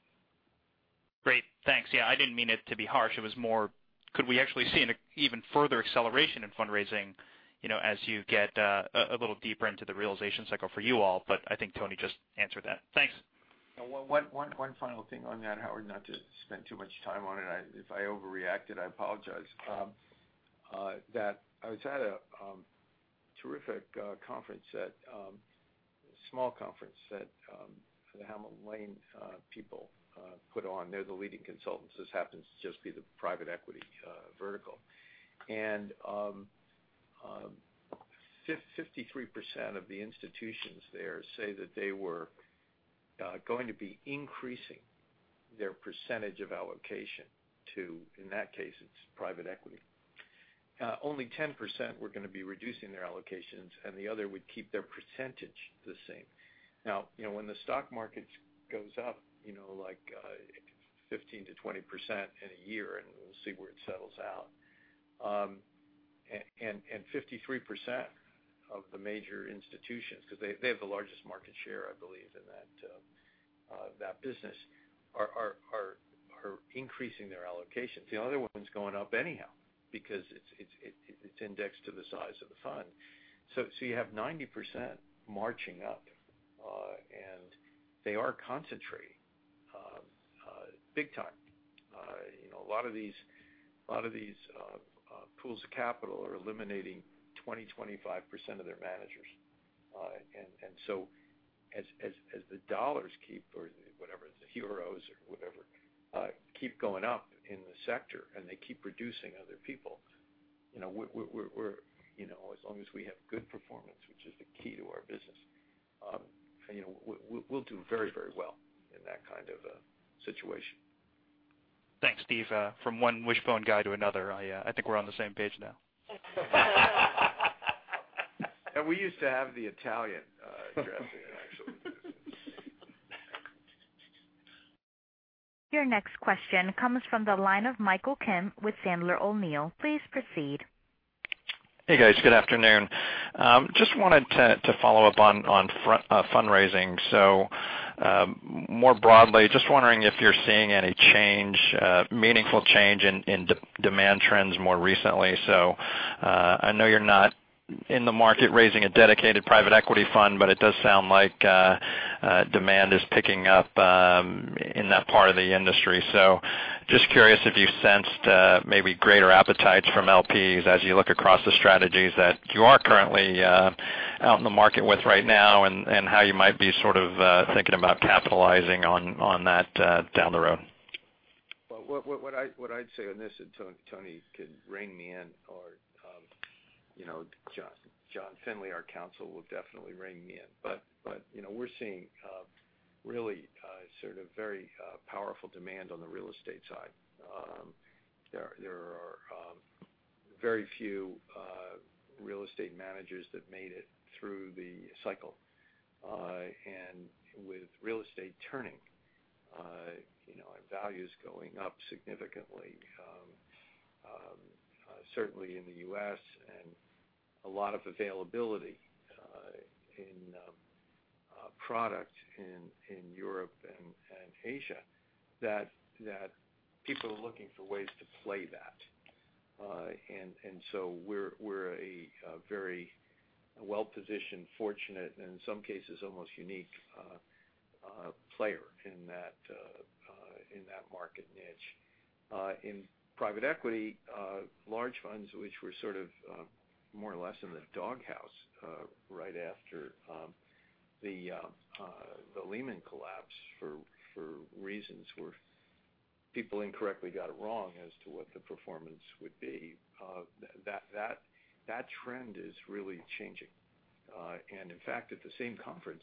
S9: Great. Thanks. I didn't mean it to be harsh. It was more, could we actually see an even further acceleration in fundraising, as you get a little deeper into the realization cycle for you all, but I think Tony just answered that. Thanks.
S3: One final thing on that, Howard, not to spend too much time on it. If I overreacted, I apologize. I was at a terrific conference that a small conference that the Hamilton Lane people put on. They're the leading consultants. This happens to just be the private equity vertical. 53% of the institutions there say that they were going to be increasing their percentage of allocation to, in that case, it's private equity. Only 10% were going to be reducing their allocations, and the other would keep their percentage the same. When the stock market goes up like 15%-20% in a year, and we'll see where it settles out, 53% of the major institutions, because they have the largest market share, I believe, in that business, are increasing their allocations. The other one's going up anyhow because it's indexed to the size of the fund. You have 90% marching up. They are concentrating big time. A lot of these pools of capital are eliminating 20%, 25% of their managers. As the dollars keep, or whatever, the heroes or whatever, keep going up in the sector and they keep reducing other people, as long as we have good performance, which is the key to our business, we'll do very well in that kind of a situation.
S9: Thanks, Steve. From one Wish-Bone guy to another, I think we're on the same page now.
S3: We used to have the Italian dressing, actually.
S1: Your next question comes from the line of Michael Kim with Sandler O'Neill. Please proceed.
S10: Hey, guys. Good afternoon. Just wanted to follow up on fundraising. More broadly, just wondering if you're seeing any meaningful change in demand trends more recently. I know you're not in the market raising a dedicated private equity fund, but it does sound like demand is picking up in that part of the industry. Just curious if you sensed maybe greater appetites from LPs as you look across the strategies that you are currently out in the market with right now and how you might be sort of thinking about capitalizing on that down the road.
S3: What I'd say on this, Tony could ring me in or John Finley, our counsel, will definitely ring me in. We're seeing really sort of very powerful demand on the real estate side. There are very few real estate managers that made it through the cycle. With real estate turning, and values going up significantly, certainly in the U.S., and a lot of availability in product in Europe and Asia, that people are looking for ways to play that. We're a very well-positioned, fortunate, and in some cases, almost unique player in that market niche. In private equity, large funds, which were sort of more or less in the doghouse right after the Lehman collapse for reasons where people incorrectly got it wrong as to what the performance would be. That trend is really changing. In fact, at the same conference,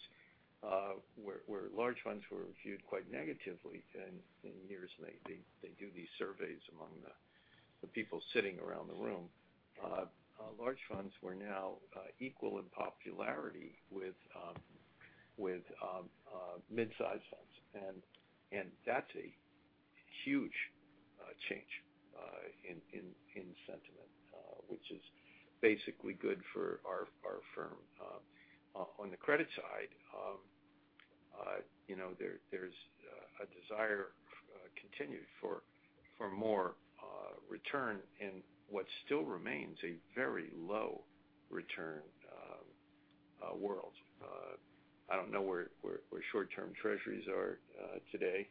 S3: where large funds were viewed quite negatively, and in years they do these surveys among the people sitting around the room. Large funds were now equal in popularity with mid-size funds. That's a huge change in sentiment, which is basically good for our firm. On the credit side, there's a desire continued for more return in what still remains a very low return world. I don't know where short-term treasuries are today.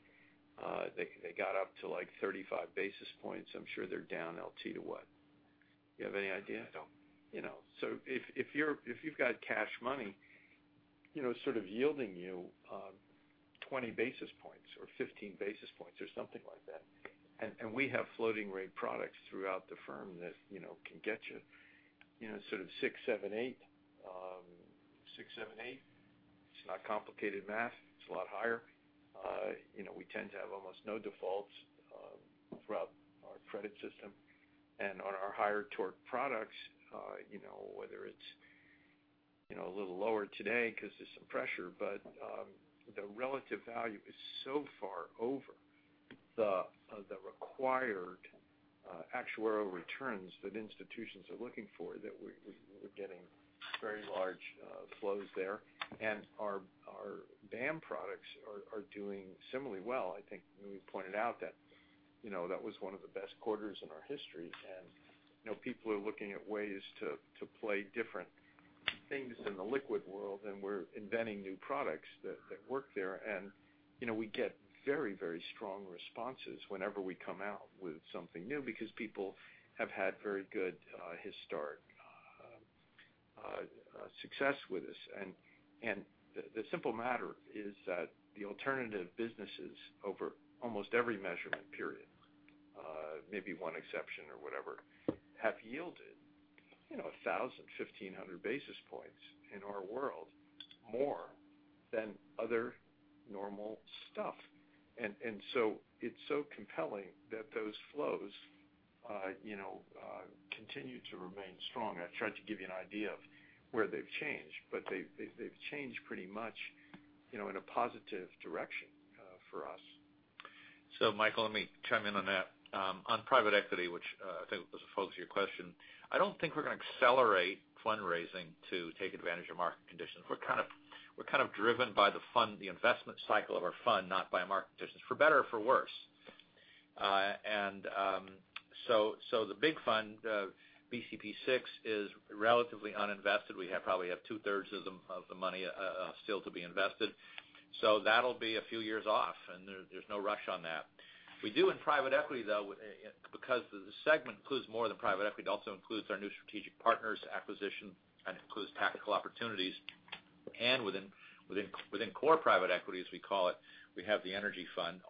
S3: They got up to like 35 basis points. I'm sure they're down, LT, to what? Do you have any idea?
S7: I don't.
S3: If you've got cash money, it's sort of yielding you 20 basis points or 15 basis points or something like that. We have floating rate products throughout the firm that can get you sort of six, seven, eight. Six, seven, eight. It's not complicated math. It's a lot higher. We tend to have almost no defaults throughout our credit system. On our higher torque products, whether it's a little lower today because there's some pressure, but the relative value is so far over the required actuarial returns that institutions are looking for, that we're getting very large flows there. Our BAAM products are doing similarly well. I think we pointed out that that was one of the best quarters in our history. People are looking at ways to play different things in the liquid world, and we're inventing new products that work there. We get very strong responses whenever we come out with something new, because people have had very good historic success with us. The simple matter is that the alternative businesses over almost every measurement period, maybe one exception or whatever, have yielded 1,000, 1,500 basis points in our world, more than other normal stuff. It's so compelling that those flows continue to remain strong. I tried to give you an idea of where they've changed, but they've changed pretty much in a positive direction for us.
S7: Michael, let me chime in on that. On private equity, which I think was the focus of your question, I don't think we're going to accelerate fundraising to take advantage of market conditions. We're kind of driven by the investment cycle of our fund, not by market conditions, for better or for worse. The big fund, BCP VI, is relatively uninvested. We probably have two-thirds of the money still to be invested. That'll be a few years off, and there's no rush on that. We do in private equity, though, because the segment includes more than private equity. It also includes our new Strategic Partners acquisition, and it includes Tactical Opportunities. Within core private equity, as we call it, we have the energy fund.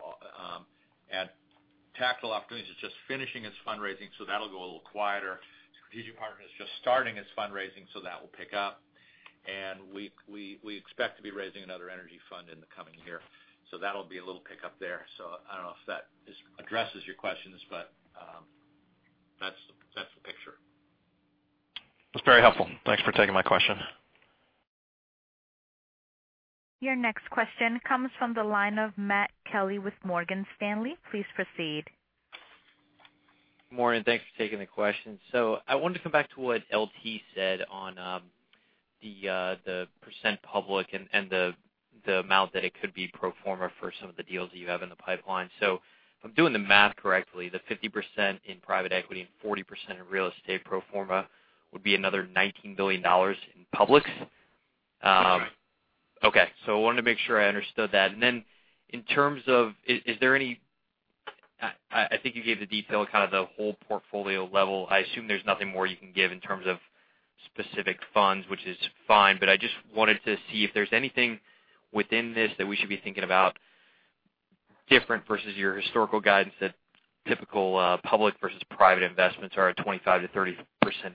S7: Tactical opportunities is just finishing its fundraising, so that'll go a little quieter. Strategic Partners is just starting its fundraising, that will pick up. We expect to be raising another energy fund in the coming year. That'll be a little pick up there. I don't know if that addresses your questions, but that's the picture.
S10: That's very helpful. Thanks for taking my question.
S1: Your next question comes from the line of Matthew Kelly with Morgan Stanley. Please proceed.
S11: Morning, thanks for taking the question. I wanted to come back to what LT said on the percent public and the amount that it could be pro forma for some of the deals that you have in the pipeline. If I'm doing the math correctly, the 50% in private equity and 40% in real estate pro forma would be another $19 billion in public?
S7: That's right.
S11: I wanted to make sure I understood that. In terms of, I think you gave the detail of kind of the whole portfolio level. I assume there's nothing more you can give in terms of specific funds, which is fine, but I just wanted to see if there's anything within this that we should be thinking about different versus your historical guidance that typical public versus private investments are a 25%-30%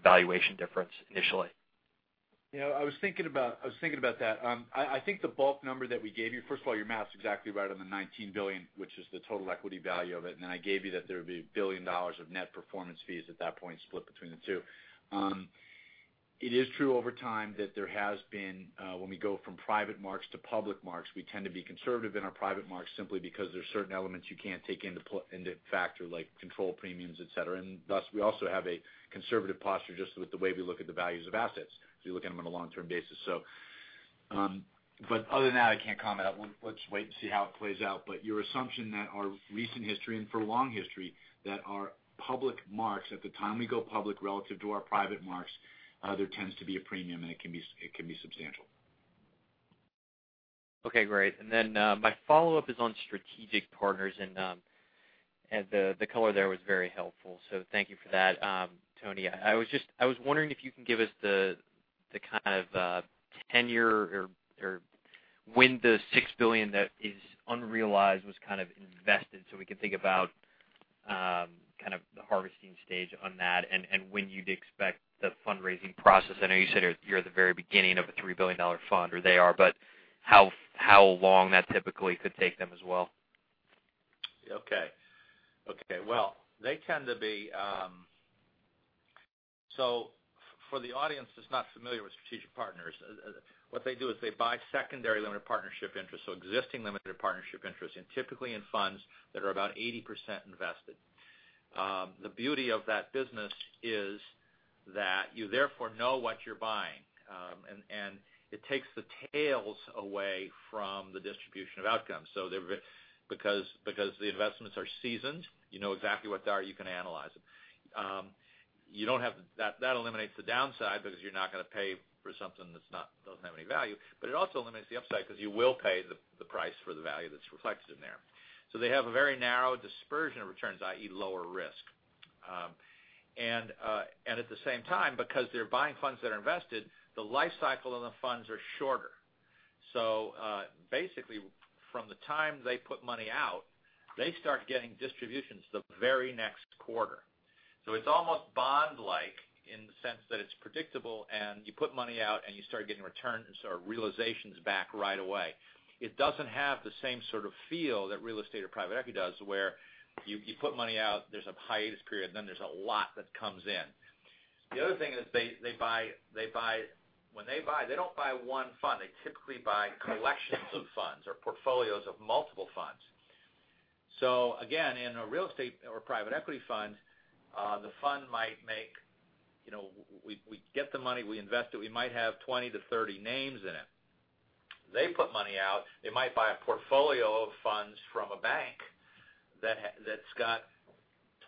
S11: valuation difference initially.
S7: I was thinking about that. I think the bulk number that we gave you, first of all, your math's exactly right on the $19 billion, which is the total equity value of it. Then I gave you that there would be $1 billion of net performance fees at that point, split between the two. It is true over time that there has been, when we go from private marks to public marks, we tend to be conservative in our private marks simply because there's certain elements you can't take into factor like control premiums, et cetera. Thus, we also have a conservative posture just with the way we look at the values of assets, because we look at them on a long-term basis. Other than that, I can't comment. Let's wait and see how it plays out. Your assumption that our recent history and for long history, that our public marks at the time we go public relative to our private marks, there tends to be a premium, and it can be substantial.
S11: My follow-up is on Strategic Partners, the color there was very helpful. Thank you for that, Tony. I was wondering if you can give us the kind of tenure or when the $6 billion that is unrealized was kind of invested, so we can think about kind of the harvesting stage on that, and when you'd expect the fundraising process. I know you said you're at the very beginning of a $3 billion fund, or they are, how long that typically could take them as well.
S7: Okay. They tend to be for the audience that's not familiar with Strategic Partners, what they do is they buy secondary limited partnership interests, existing limited partnership interests, and typically in funds that are about 80% invested. The beauty of that business is that you therefore know what you're buying. It takes the tails away from the distribution of outcomes. Because the investments are seasoned, you know exactly what they are, you can analyze them. That eliminates the downside because you're not going to pay for something that doesn't have any value. It also eliminates the upside because you will pay the price for the value that's reflected in there. They have a very narrow dispersion of returns, i.e., lower risk. At the same time, because they're buying funds that are invested, the life cycle of the funds are shorter. Basically, from the time they put money out, they start getting distributions the very next quarter. It's almost bond-like in the sense that it's predictable and you put money out and you start getting returns or realizations back right away. It doesn't have the same sort of feel that real estate or private equity does, where you put money out, there's a hiatus period, and then there's a lot that comes in. The other thing is when they buy, they don't buy one fund. They typically buy collections of funds or portfolios of multiple funds. In a real estate or private equity fund, the fund might make We get the money, we invest it, we might have 20 to 30 names in it. They put money out, they might buy a portfolio of funds from a bank that's got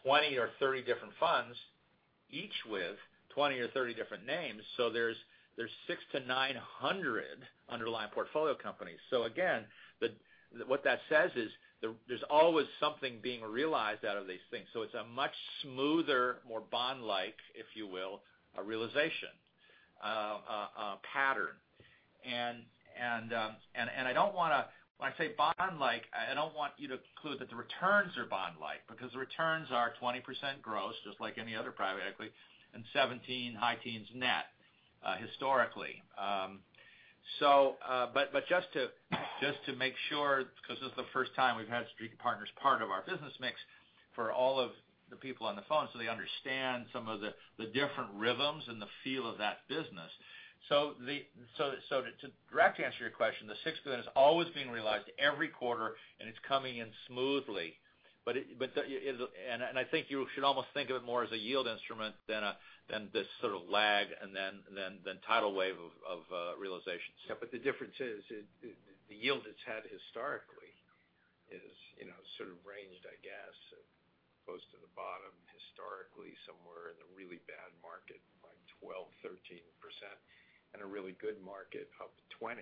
S7: 20 or 30 different funds, each with 20 or 30 different names. There's 6 to 900 underlying portfolio companies. What that says is there's always something being realized out of these things. It's a much smoother, more bond-like, if you will, realization pattern. When I say bond-like, I don't want you to conclude that the returns are bond-like, because the returns are 20% gross, just like any other private equity, and 17 high teens net, historically. Just to make sure, because this is the first time we've had Strategic Partners part of our business mix for all of the people on the phone, so they understand some of the different rhythms and the feel of that business. To directly answer your question, the $6 billion is always being realized every quarter, it's coming in smoothly. I think you should almost think of it more as a yield instrument than this sort of lag and then tidal wave of realizations.
S3: The difference is, the yield it's had historically is sort of ranged, I guess, close to the bottom historically, somewhere in the really bad market, like 12%-13%, and a really good market up 20%.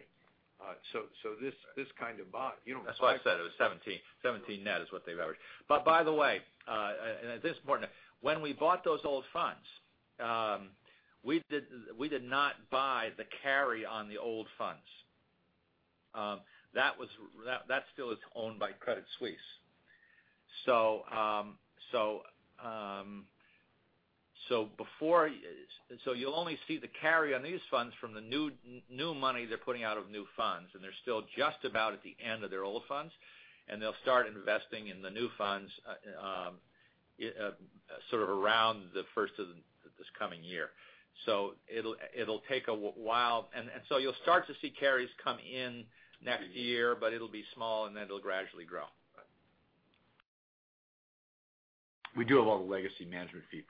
S3: This kind of bond-
S7: That's why I said it was 17%. 17% net is what they've averaged. By the way, and this is important, when we bought those old funds, we did not buy the carry on the old funds. That still is owned by Credit Suisse. You'll only see the carry on these funds from the new money they're putting out of new funds, they're still just about at the end of their old funds, they'll start investing in the new funds sort of around the first of this coming year. It'll take a while. You'll start to see carries come in next year, but it'll be small, it'll gradually grow.
S3: Right.
S4: We do have all the legacy management fee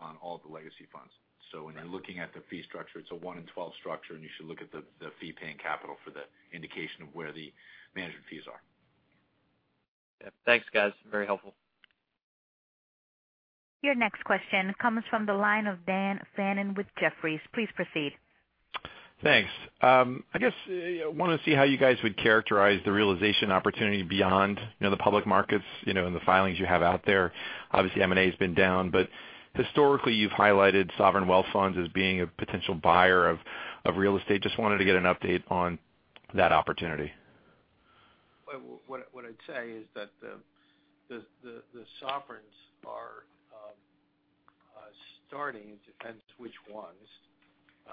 S4: on all the legacy funds. When you're looking at the fee structure, it's a one in 12 structure, you should look at the fee-paying capital for the indication of where the management fees are.
S11: Yeah. Thanks, guys. Very helpful.
S1: Your next question comes from the line of Daniel Fannon with Jefferies. Please proceed.
S12: Thanks. I just want to see how you guys would characterize the realization opportunity beyond the public markets, and the filings you have out there. Obviously, M&A has been down, but historically, you've highlighted sovereign wealth funds as being a potential buyer of real estate. Just wanted to get an update on that opportunity.
S7: What I'd say is that the sovereigns are starting, it depends which ones,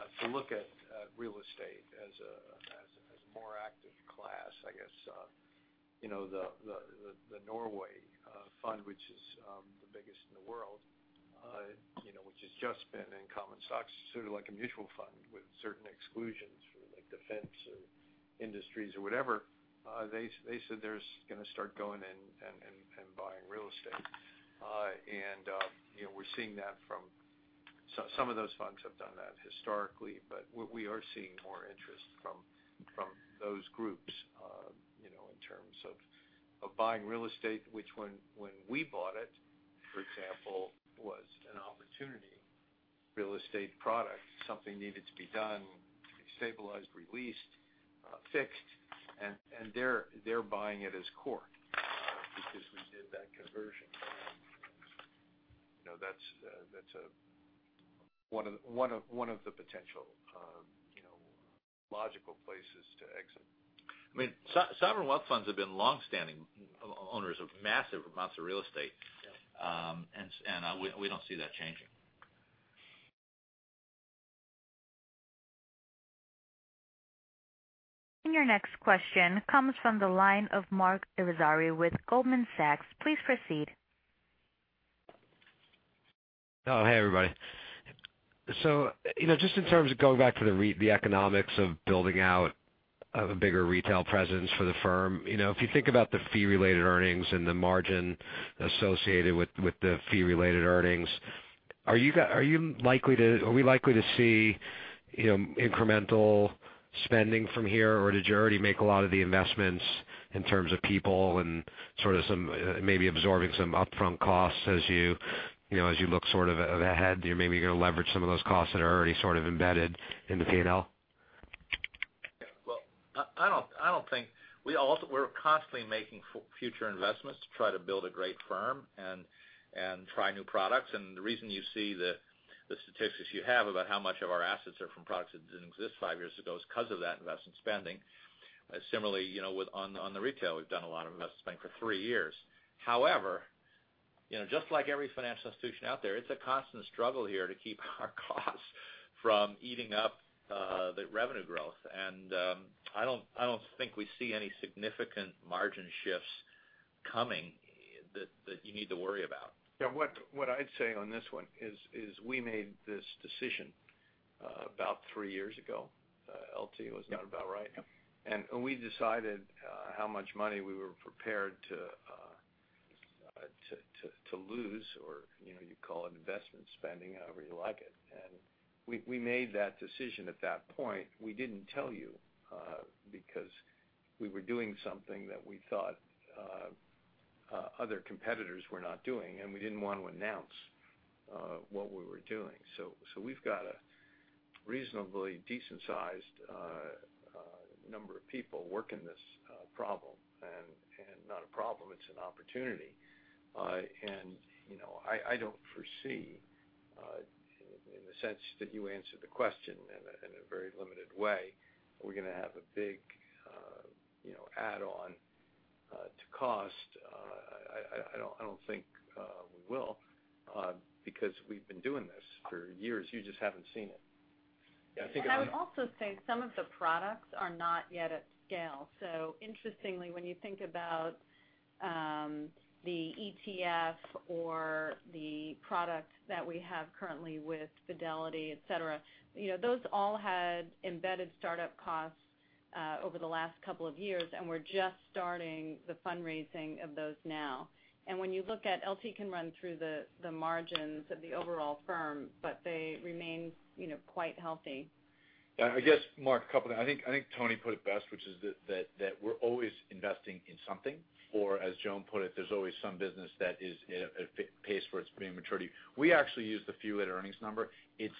S7: to look at real estate as a more active class. I guess the Norway fund, which is the biggest in the world, which has just been in common stocks, sort of like a mutual fund with certain exclusions for defense or industries or whatever. They said they're going to start going in and buying real estate. We're seeing that from some of those funds have done that historically, but we are seeing more interest from those groups in terms of buying real estate, which when we bought it, for example, was an opportunity real estate product. Something needed to be done to be stabilized, re-leased, fixed, and they're buying it as core because we did that conversion. That's one of the potential logical places to exit. Sovereign wealth funds have been longstanding owners of massive amounts of real estate.
S12: Yeah.
S7: We don't see that changing.
S1: Your next question comes from the line of Marc Irizarry with Goldman Sachs. Please proceed.
S13: Hey, everybody. Just in terms of going back to the economics of building out a bigger retail presence for the firm, if you think about the fee-related earnings and the margin associated with the fee-related earnings, are we likely to see incremental spending from here, or did you already make a lot of the investments in terms of people and sort of some, maybe absorbing some upfront costs as you look sort of ahead, you're maybe going to leverage some of those costs that are already sort of embedded in the P&L?
S4: Well, we're constantly making future investments to try to build a great firm and try new products. The reason you see the statistics you have about how much of our assets are from products that didn't exist five years ago is because of that investment spending. Similarly, on the retail, we've done a lot of investment spending for three years. However, just like every financial institution out there, it's a constant struggle here to keep our costs from eating up the revenue growth. I don't think we see any significant margin shifts coming that you need to worry about.
S3: Yeah. What I'd say on this one is, we made this decision about three years ago. LT, was that about right? Yep. We decided how much money we were prepared to lose or, you call it investment spending, however you like it. We made that decision at that point. We didn't tell you, because we were doing something that we thought other competitors were not doing, and we didn't want to announce what we were doing. We've got a reasonably decent-sized number of people working this problem. Not a problem, it's an opportunity. I don't foresee, in the sense that you answered the question in a very limited way, are we going to have a big add-on to cost? I don't think we will, because we've been doing this for years. You just haven't seen it. Yeah, I think.
S2: I would also say some of the products are not yet at scale. Interestingly, when you think about the ETF or the product that we have currently with Fidelity, et cetera, those all had embedded startup costs over the last couple of years, and we're just starting the fundraising of those now. When you look at, LT can run through the margins of the overall firm, but they remain quite healthy.
S4: I guess, Marc, a couple things. I think Tony put it best, which is that we're always investing in something, or as Joan put it, there's always some business that is at a pace where it's pre-maturity. We actually use the fee-related earnings number. It's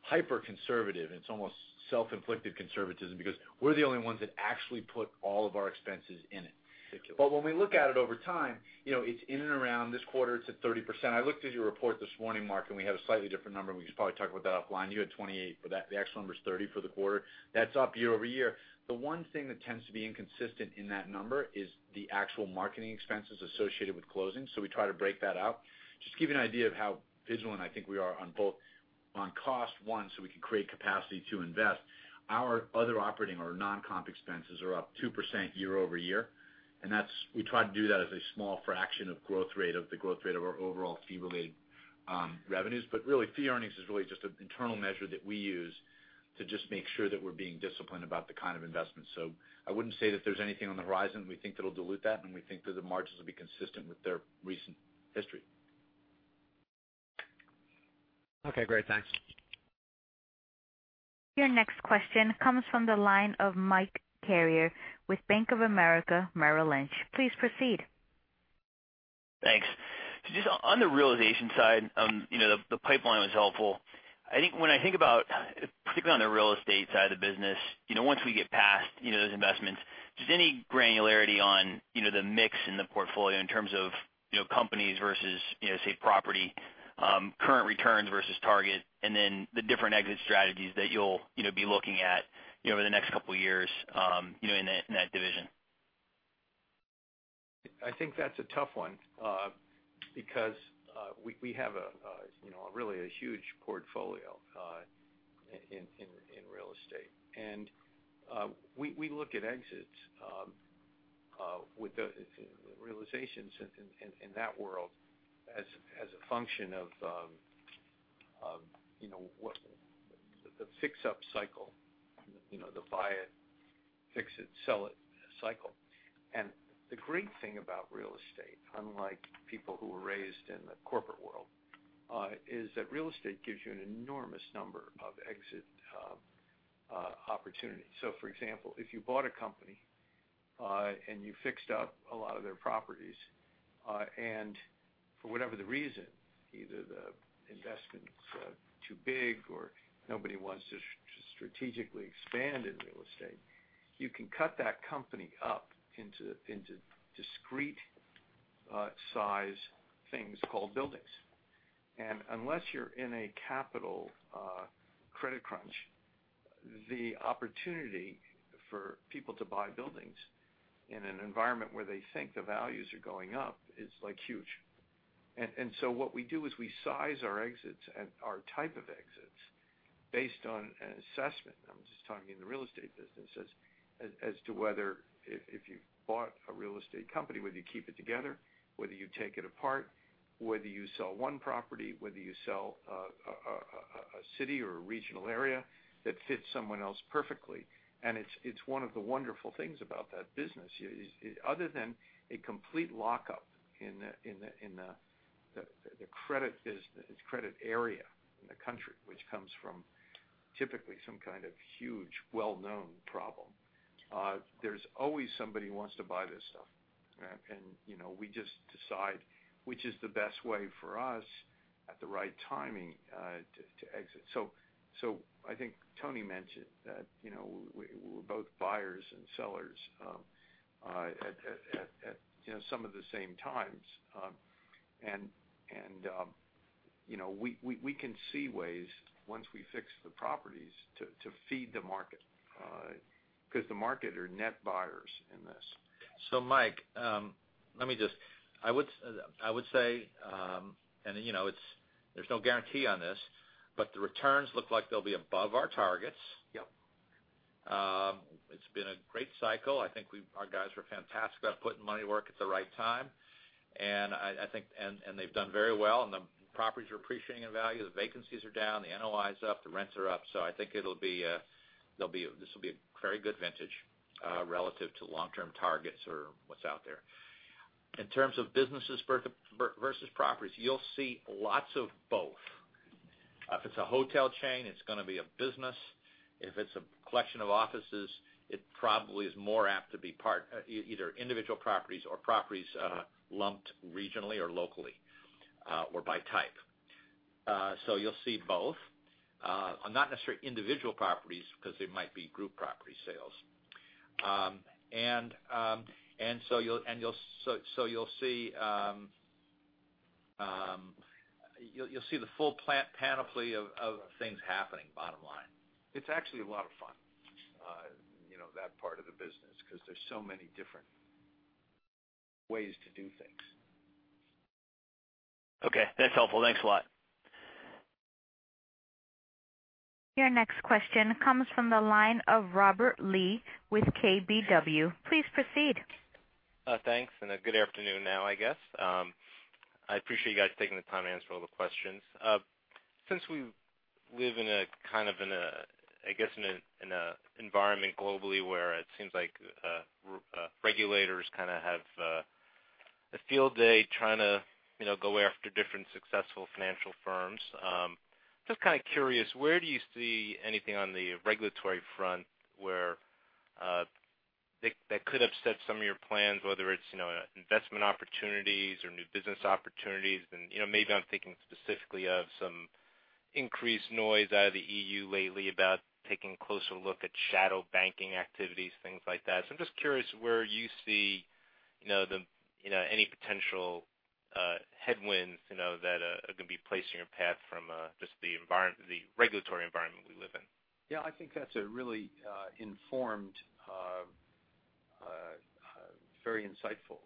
S4: hyper-conservative. It's almost self-inflicted conservatism because we're the only ones that actually put all of our expenses in it. Particularly. When we look at it over time, it's in and around this quarter, it's at 30%. I looked at your report this morning, Marc, and we had a slightly different number, and we could probably talk about that offline. You had 28, but the actual number's 30 for the quarter. That's up year-over-year. The one thing that tends to be inconsistent in that number is the actual marketing expenses associated with closing. We try to break that out. Just to give you an idea of how vigilant I think we are on both on cost, one, so we can create capacity to invest. Our other operating or non-comp expenses are up 2% year-over-year. We try to do that as a small fraction of the growth rate of our overall fee-related revenues. Really, fee earnings is really just an internal measure that we use to just make sure that we're being disciplined about the kind of investment. I wouldn't say that there's anything on the horizon we think that'll dilute that, and we think that the margins will be consistent with their recent history.
S13: Okay, great. Thanks.
S1: Your next question comes from the line of Michael Carrier with Bank of America Merrill Lynch. Please proceed.
S14: Thanks. Just on the realization side, the pipeline was helpful. I think when I think about, particularly on the real estate side of the business, once we get past those investments, just any granularity on the mix in the portfolio in terms of companies versus, say, property, current returns versus target, and then the different exit strategies that you'll be looking at over the next couple of years in that division?
S7: I think that's a tough one, because we have really a huge portfolio in real estate. We look at exits with the realizations in that world as a function of the fix-up cycle, the buy it, fix it, sell it cycle. The great thing about real estate, unlike people who were raised in the corporate world, is that real estate gives you an enormous number of exit opportunities. For example, if you bought a company, and you fixed up a lot of their properties, and for whatever the reason, either the investment's too big or nobody wants to strategically expand in real estate, you can cut that company up into discrete size things called buildings. Unless you're in a capital credit crunch, the opportunity for people to buy buildings in an environment where they think the values are going up is huge.
S3: What we do is we size our exits and our type of exits based on an assessment, I'm just talking in the real estate businesses, as to whether if you bought a real estate company, whether you keep it together, whether you take it apart, whether you sell one property, whether you sell a city or a regional area that fits someone else perfectly. It's one of the wonderful things about that business. Other than a complete lockup in the credit area in the country, which comes from typically some kind of huge, well-known problem, there's always somebody who wants to buy this stuff. We just decide which is the best way for us at the right timing to exit. I think Tony mentioned that we're both buyers and sellers at some of the same times. We can see ways once we fix the properties to feed the market, because the market are net buyers in this.
S7: Mike, I would say, there's no guarantee on this, the returns look like they'll be above our targets. Yep. It's been a great cycle. I think our guys were fantastic about putting money to work at the right time, they've done very well, the properties are appreciating in value. The vacancies are down, the NOI's up, the rents are up. I think this will be a very good vintage relative to long-term targets or what's out there. In terms of businesses versus properties, you'll see lots of both. If it's a hotel chain, it's going to be a business. If it's a collection of offices, it probably is more apt to be either individual properties or properties lumped regionally or locally or by type. You'll see both. Not necessarily individual properties, because they might be group property sales. You'll see the full panoply of things happening, bottom line.
S3: It's actually a lot of fun, that part of the business, because there's so many different ways to do things.
S14: Okay, that's helpful. Thanks a lot.
S1: Your next question comes from the line of Robert Lee with KBW. Please proceed.
S15: Thanks. A good afternoon now, I guess. I appreciate you guys taking the time to answer all the questions. Since we live in an environment globally where it seems like regulators kind of have a field day trying to go after different successful financial firms. Just kind of curious, where do you see anything on the regulatory front where that could upset some of your plans, whether it's investment opportunities or new business opportunities. Maybe I'm thinking specifically of some increased noise out of the EU lately about taking a closer look at shadow banking activities, things like that. I'm just curious where you see any potential headwinds that are going to be placed in your path from just the regulatory environment we live in.
S7: Yeah, I think that's a really informed, very insightful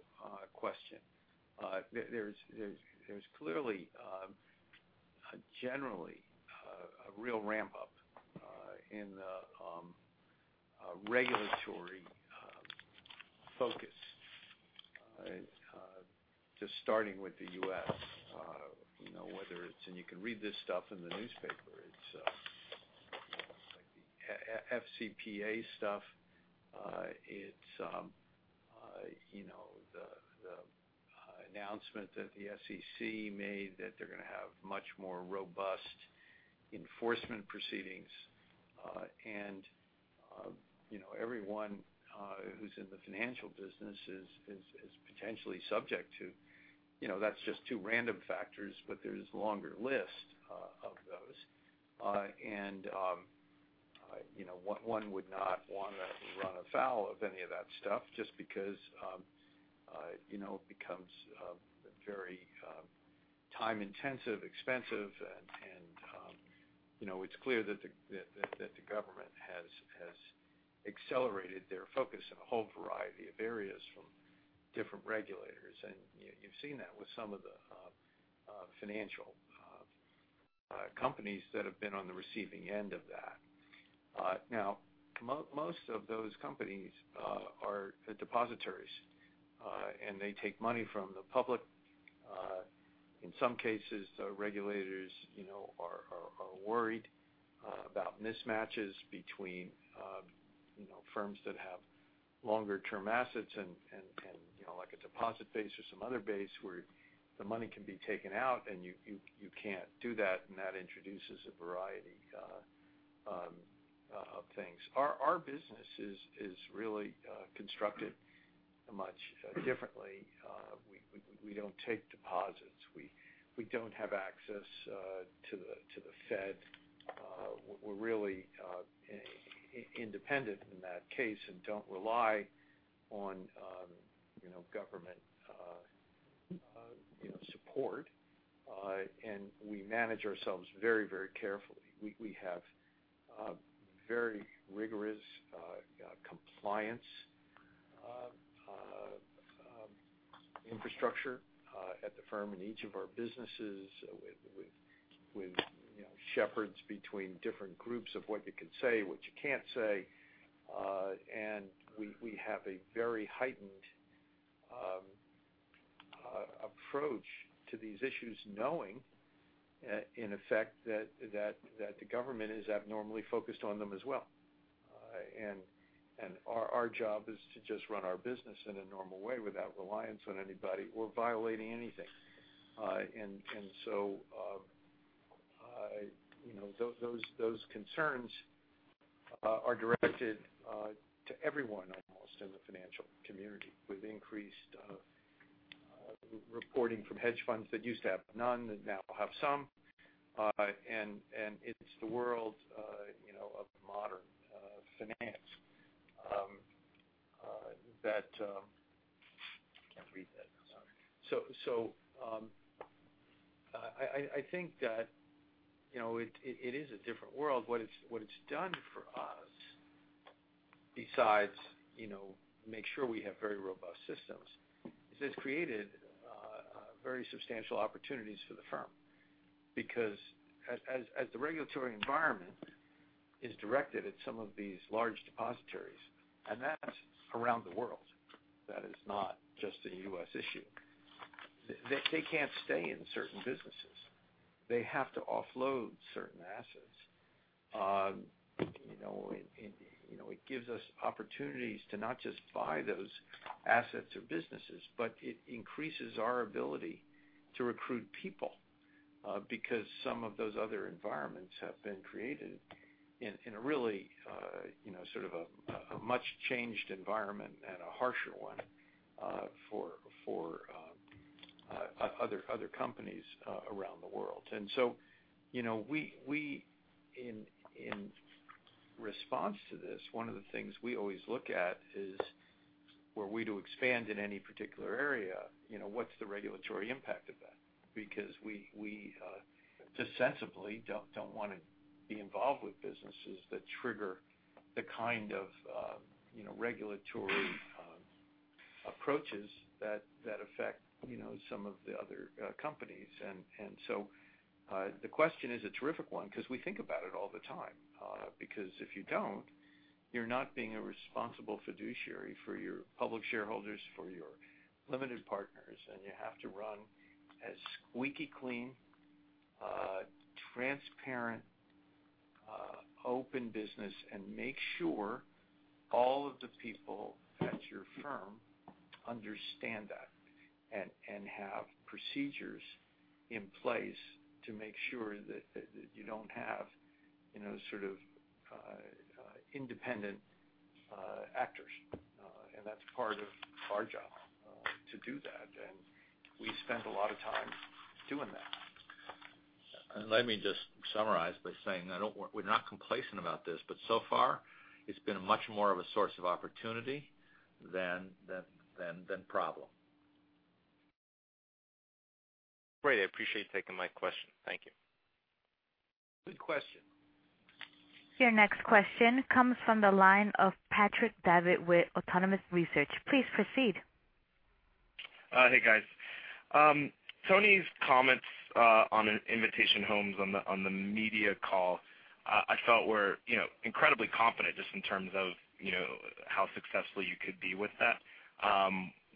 S7: question. There's clearly, generally, a real ramp up in the regulatory focus. Just starting with the U.S., you can read this stuff in the newspaper. It's like the FCPA stuff. It's the announcement that the SEC made that they're going to have much more robust enforcement proceedings. Everyone who's in the financial business is potentially subject to. That's just two random factors, there's a longer list of those. One would not want to run afoul of any of that stuff just because it becomes very time intensive, expensive, and it's clear that the government has accelerated their focus in a whole variety of areas from different regulators. You've seen that with some of the financial companies that have been on the receiving end of that.
S3: Now, most of those companies are depositories, and they take money from the public. In some cases, the regulators are worried about mismatches between firms that have longer-term assets and a deposit base or some other base where the money can be taken out and you can't do that, and that introduces a variety of things. Our business is really constructed much differently. We don't take deposits. We don't have access to the Fed. We're really independent in that case and don't rely on government support. We manage ourselves very carefully. We have very rigorous compliance infrastructure at the firm in each of our businesses with shepherds between different groups of what you can say and what you can't say. We have a very heightened approach to these issues, knowing, in effect, that the government is abnormally focused on them as well. Our job is to just run our business in a normal way without reliance on anybody or violating anything. Those concerns are directed to everyone almost in the financial community with increased reporting from hedge funds that used to have none and now have some. I think that it is a different world. What it's done for us besides make sure we have very robust systems, is it's created very substantial opportunities for the firm. As the regulatory environment is directed at some of these large depositories, and that's around the world, that is not just a U.S. issue. They can't stay in certain businesses. They have to offload certain assets. It gives us opportunities to not just buy those assets or businesses, but it increases our ability to recruit people, because some of those other environments have been created in a really sort of a much-changed environment and a harsher one for other companies around the world. In response to this, one of the things we always look at is where we do expand in any particular area, what's the regulatory impact of that? We just sensibly don't want to be involved with businesses that trigger the kind of regulatory approaches that affect some of the other companies. The question is a terrific one because we think about it all the time. If you don't, you're not being a responsible fiduciary for your public shareholders, for your limited partners, and you have to run as squeaky clean, transparent, open business and make sure all of the people at your firm understand that and have procedures in place to make sure that you don't have sort of independent actors. That's part of our job to do that. We spend a lot of time doing that. Let me just summarize by saying, we're not complacent about this, but so far it's been much more of a source of opportunity than problem.
S15: Great. I appreciate you taking my question. Thank you.
S3: Good question.
S1: Your next question comes from the line of Patrick Davitt with Autonomous Research. Please proceed.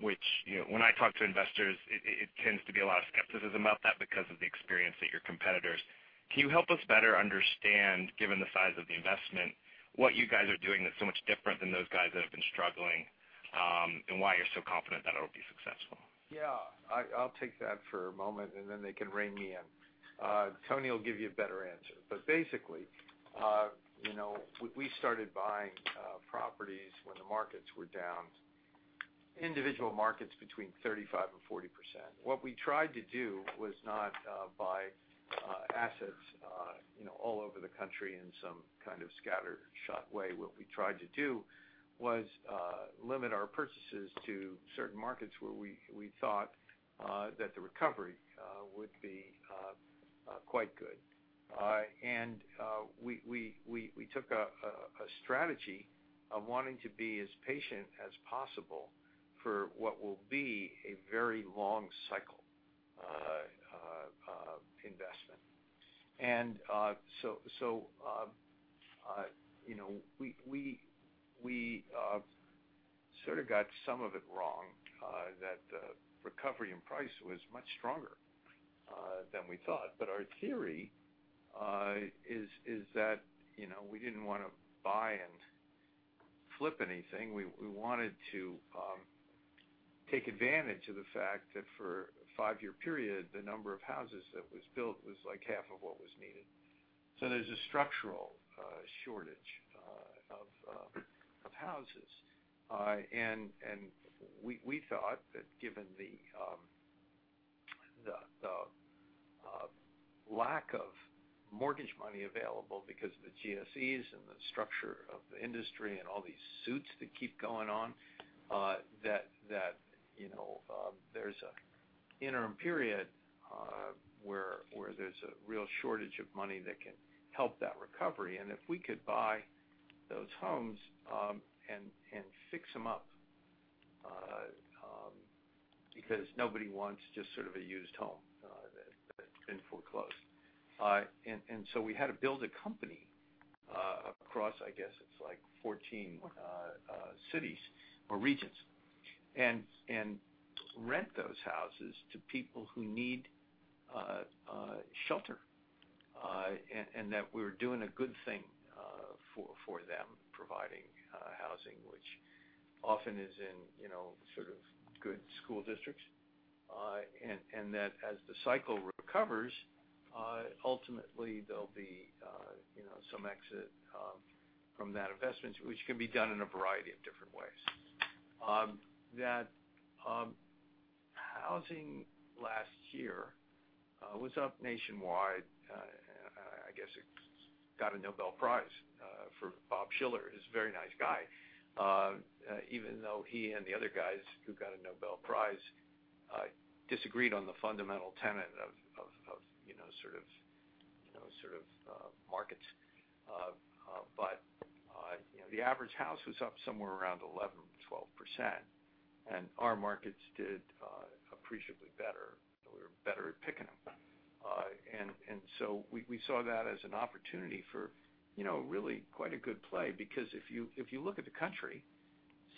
S16: When I talk to investors, it tends to be a lot of skepticism about that because of the experience at your competitors. Can you help us better understand, given the size of the investment, what you guys are doing that's so much different than those guys that have been struggling, and why you're so confident that it'll be successful?
S3: I'll take that for a moment. Then they can rein me in. Tony will give you a better answer. Basically, we started buying properties when the markets were down, individual markets between 35% and 40%. What we tried to do was not buy assets all over the country in some kind of scattershot way. What we tried to do was limit our purchases to certain markets where we thought that the recovery would be quite good. We took a strategy of wanting to be as patient as possible for what will be a very long cycle investment. We sort of got some of it wrong, that the recovery in price was much stronger than we thought. Our theory is that we didn't want to buy and flip anything. We wanted to take advantage of the fact that for a five-year period, the number of houses that was built was like half of what was needed. There's a structural shortage of houses. We thought that given the lack of mortgage money available because of the GSEs and the structure of the industry and all these suits that keep going on, that there's an interim period where there's a real shortage of money that can help that recovery. If we could buy those homes and fix them up, because nobody wants just sort of a used home that's been foreclosed. We had to build a company across, I guess it's like 14 cities or regions, and rent those houses to people who need shelter, and that we're doing a good thing for them, providing housing, which often is in sort of good school districts. As the cycle recovers, ultimately there'll be some exit from that investment, which can be done in a variety of different ways. Housing last year was up nationwide. I guess it got a Nobel Prize for Robert Shiller, who's a very nice guy. Even though he and the other guys who got a Nobel Prize disagreed on the fundamental tenet of markets. The average house was up somewhere around 11%, 12%, and our markets did appreciably better. We were better at picking them. We saw that as an opportunity for really quite a good play, because if you look at the country,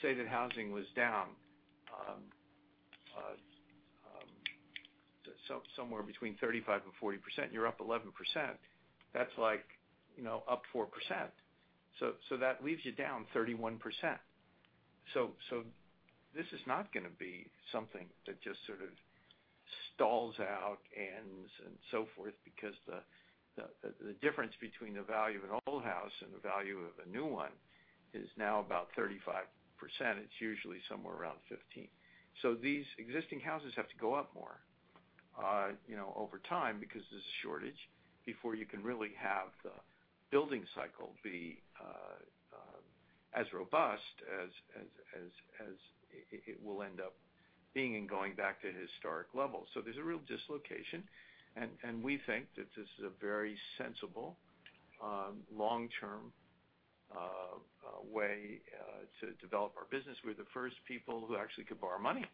S3: say that housing was down somewhere between 35% and 40%, you're up 11%. That's like up 4%. That leaves you down 31%. This is not going to be something that just sort of stalls out, ends, and so forth, because the difference between the value of an old house and the value of a new one is now about 35%. It's usually somewhere around 15. These existing houses have to go up more over time because there's a shortage before you can really have the building cycle be as robust as it will end up being and going back to historic levels. There's a real dislocation, and we think that this is a very sensible, long-term way to develop our business. We're the first people who actually could borrow money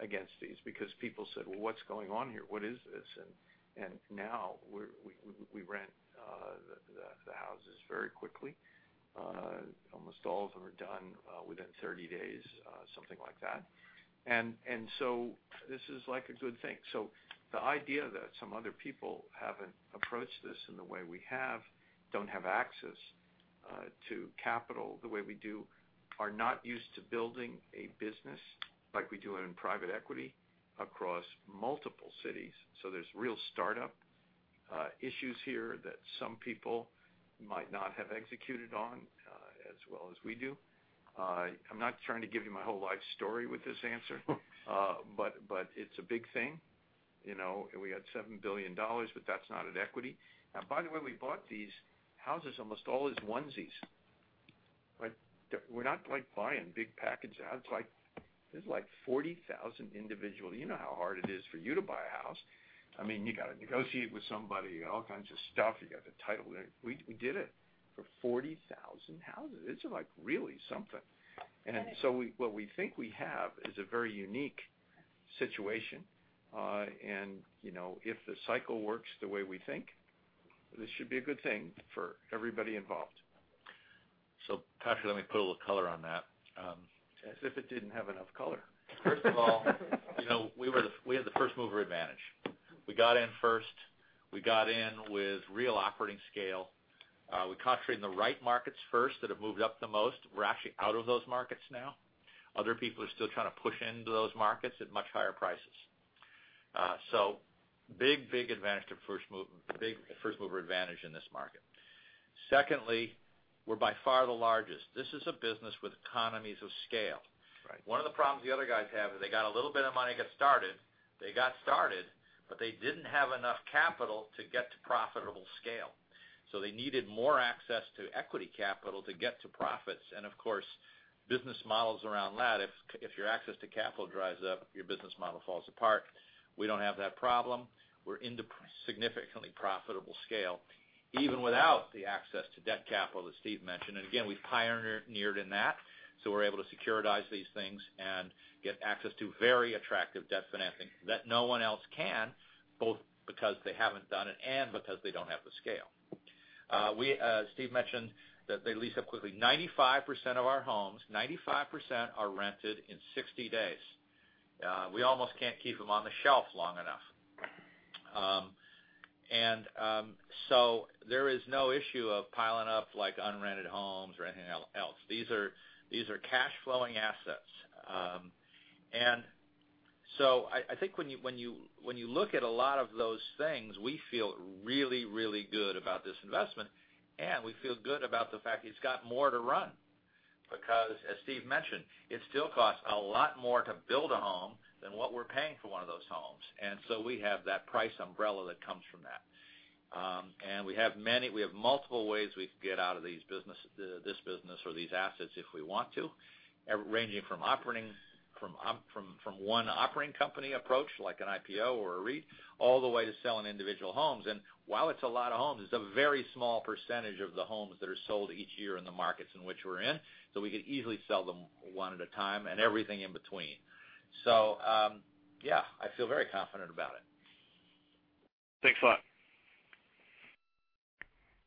S3: against these because people said, "Well, what's going on here? What is this?" Now we rent the houses very quickly. Almost all of them are done within 30 days, something like that. This is a good thing. The idea that some other people haven't approached this in the way we have, don't have access to capital the way we do, are not used to building a business like we do it in private equity across multiple cities. There's real startup issues here that some people might not have executed on as well as we do. I'm not trying to give you my whole life story with this answer. It's a big thing. We had $7 billion, but that's not at equity. By the way, we bought these houses almost all as onesies. We're not buying big bulk package. There's like 40,000 individual. You know how hard it is for you to buy a house. You've got to negotiate with somebody, all kinds of stuff. You got the title. We did it for 40,000 houses. It's really something.
S2: Got it.
S3: What we think we have is a very unique situation. If the cycle works the way we think, this should be a good thing for everybody involved.
S7: Patrick, let me put a little color on that. As if it didn't have enough color. First of all, we had the first-mover advantage. We got in first. We got in with real operating scale. We concentrated in the right markets first that have moved up the most. We're actually out of those markets now. Other people are still trying to push into those markets at much higher prices. Big advantage to first mover. Big first-mover advantage in this market. Secondly, we're by far the largest. This is a business with economies of scale. Right. One of the problems the other guys have is they got a little bit of money to get started. They got started, but they didn't have enough capital to get to profitable scale. They needed more access to equity capital to get to profits. Of course, business models around that, if your access to capital dries up, your business model falls apart. We don't have that problem. We're into significantly profitable scale, even without the access to debt capital, as Steve mentioned. Again, we've pioneered in that, so we're able to securitize these things and get access to very attractive debt financing that no one else can, both because they haven't done it and because they don't have the scale. Steve mentioned that they lease up quickly. 95% of our homes, 95% are rented in 60 days. We almost can't keep them on the shelf long enough. There is no issue of piling up unrented homes or anything else. These are cash flowing assets. I think when you look at a lot of those things, we feel really good about this investment, and we feel good about the fact that it's got more to run because, as Steve mentioned, it still costs a lot more to build a home than what we're paying for one of those homes. We have that price umbrella that comes from that. We have multiple ways we could get out of this business or these assets if we want to, ranging from one operating company approach, like an IPO or a REIT, all the way to selling individual homes. While it's a lot of homes, it's a very small percentage of the homes that are sold each year in the markets in which we're in, so we could easily sell them one at a time and everything in between. Yeah, I feel very confident about it.
S16: Thanks a lot.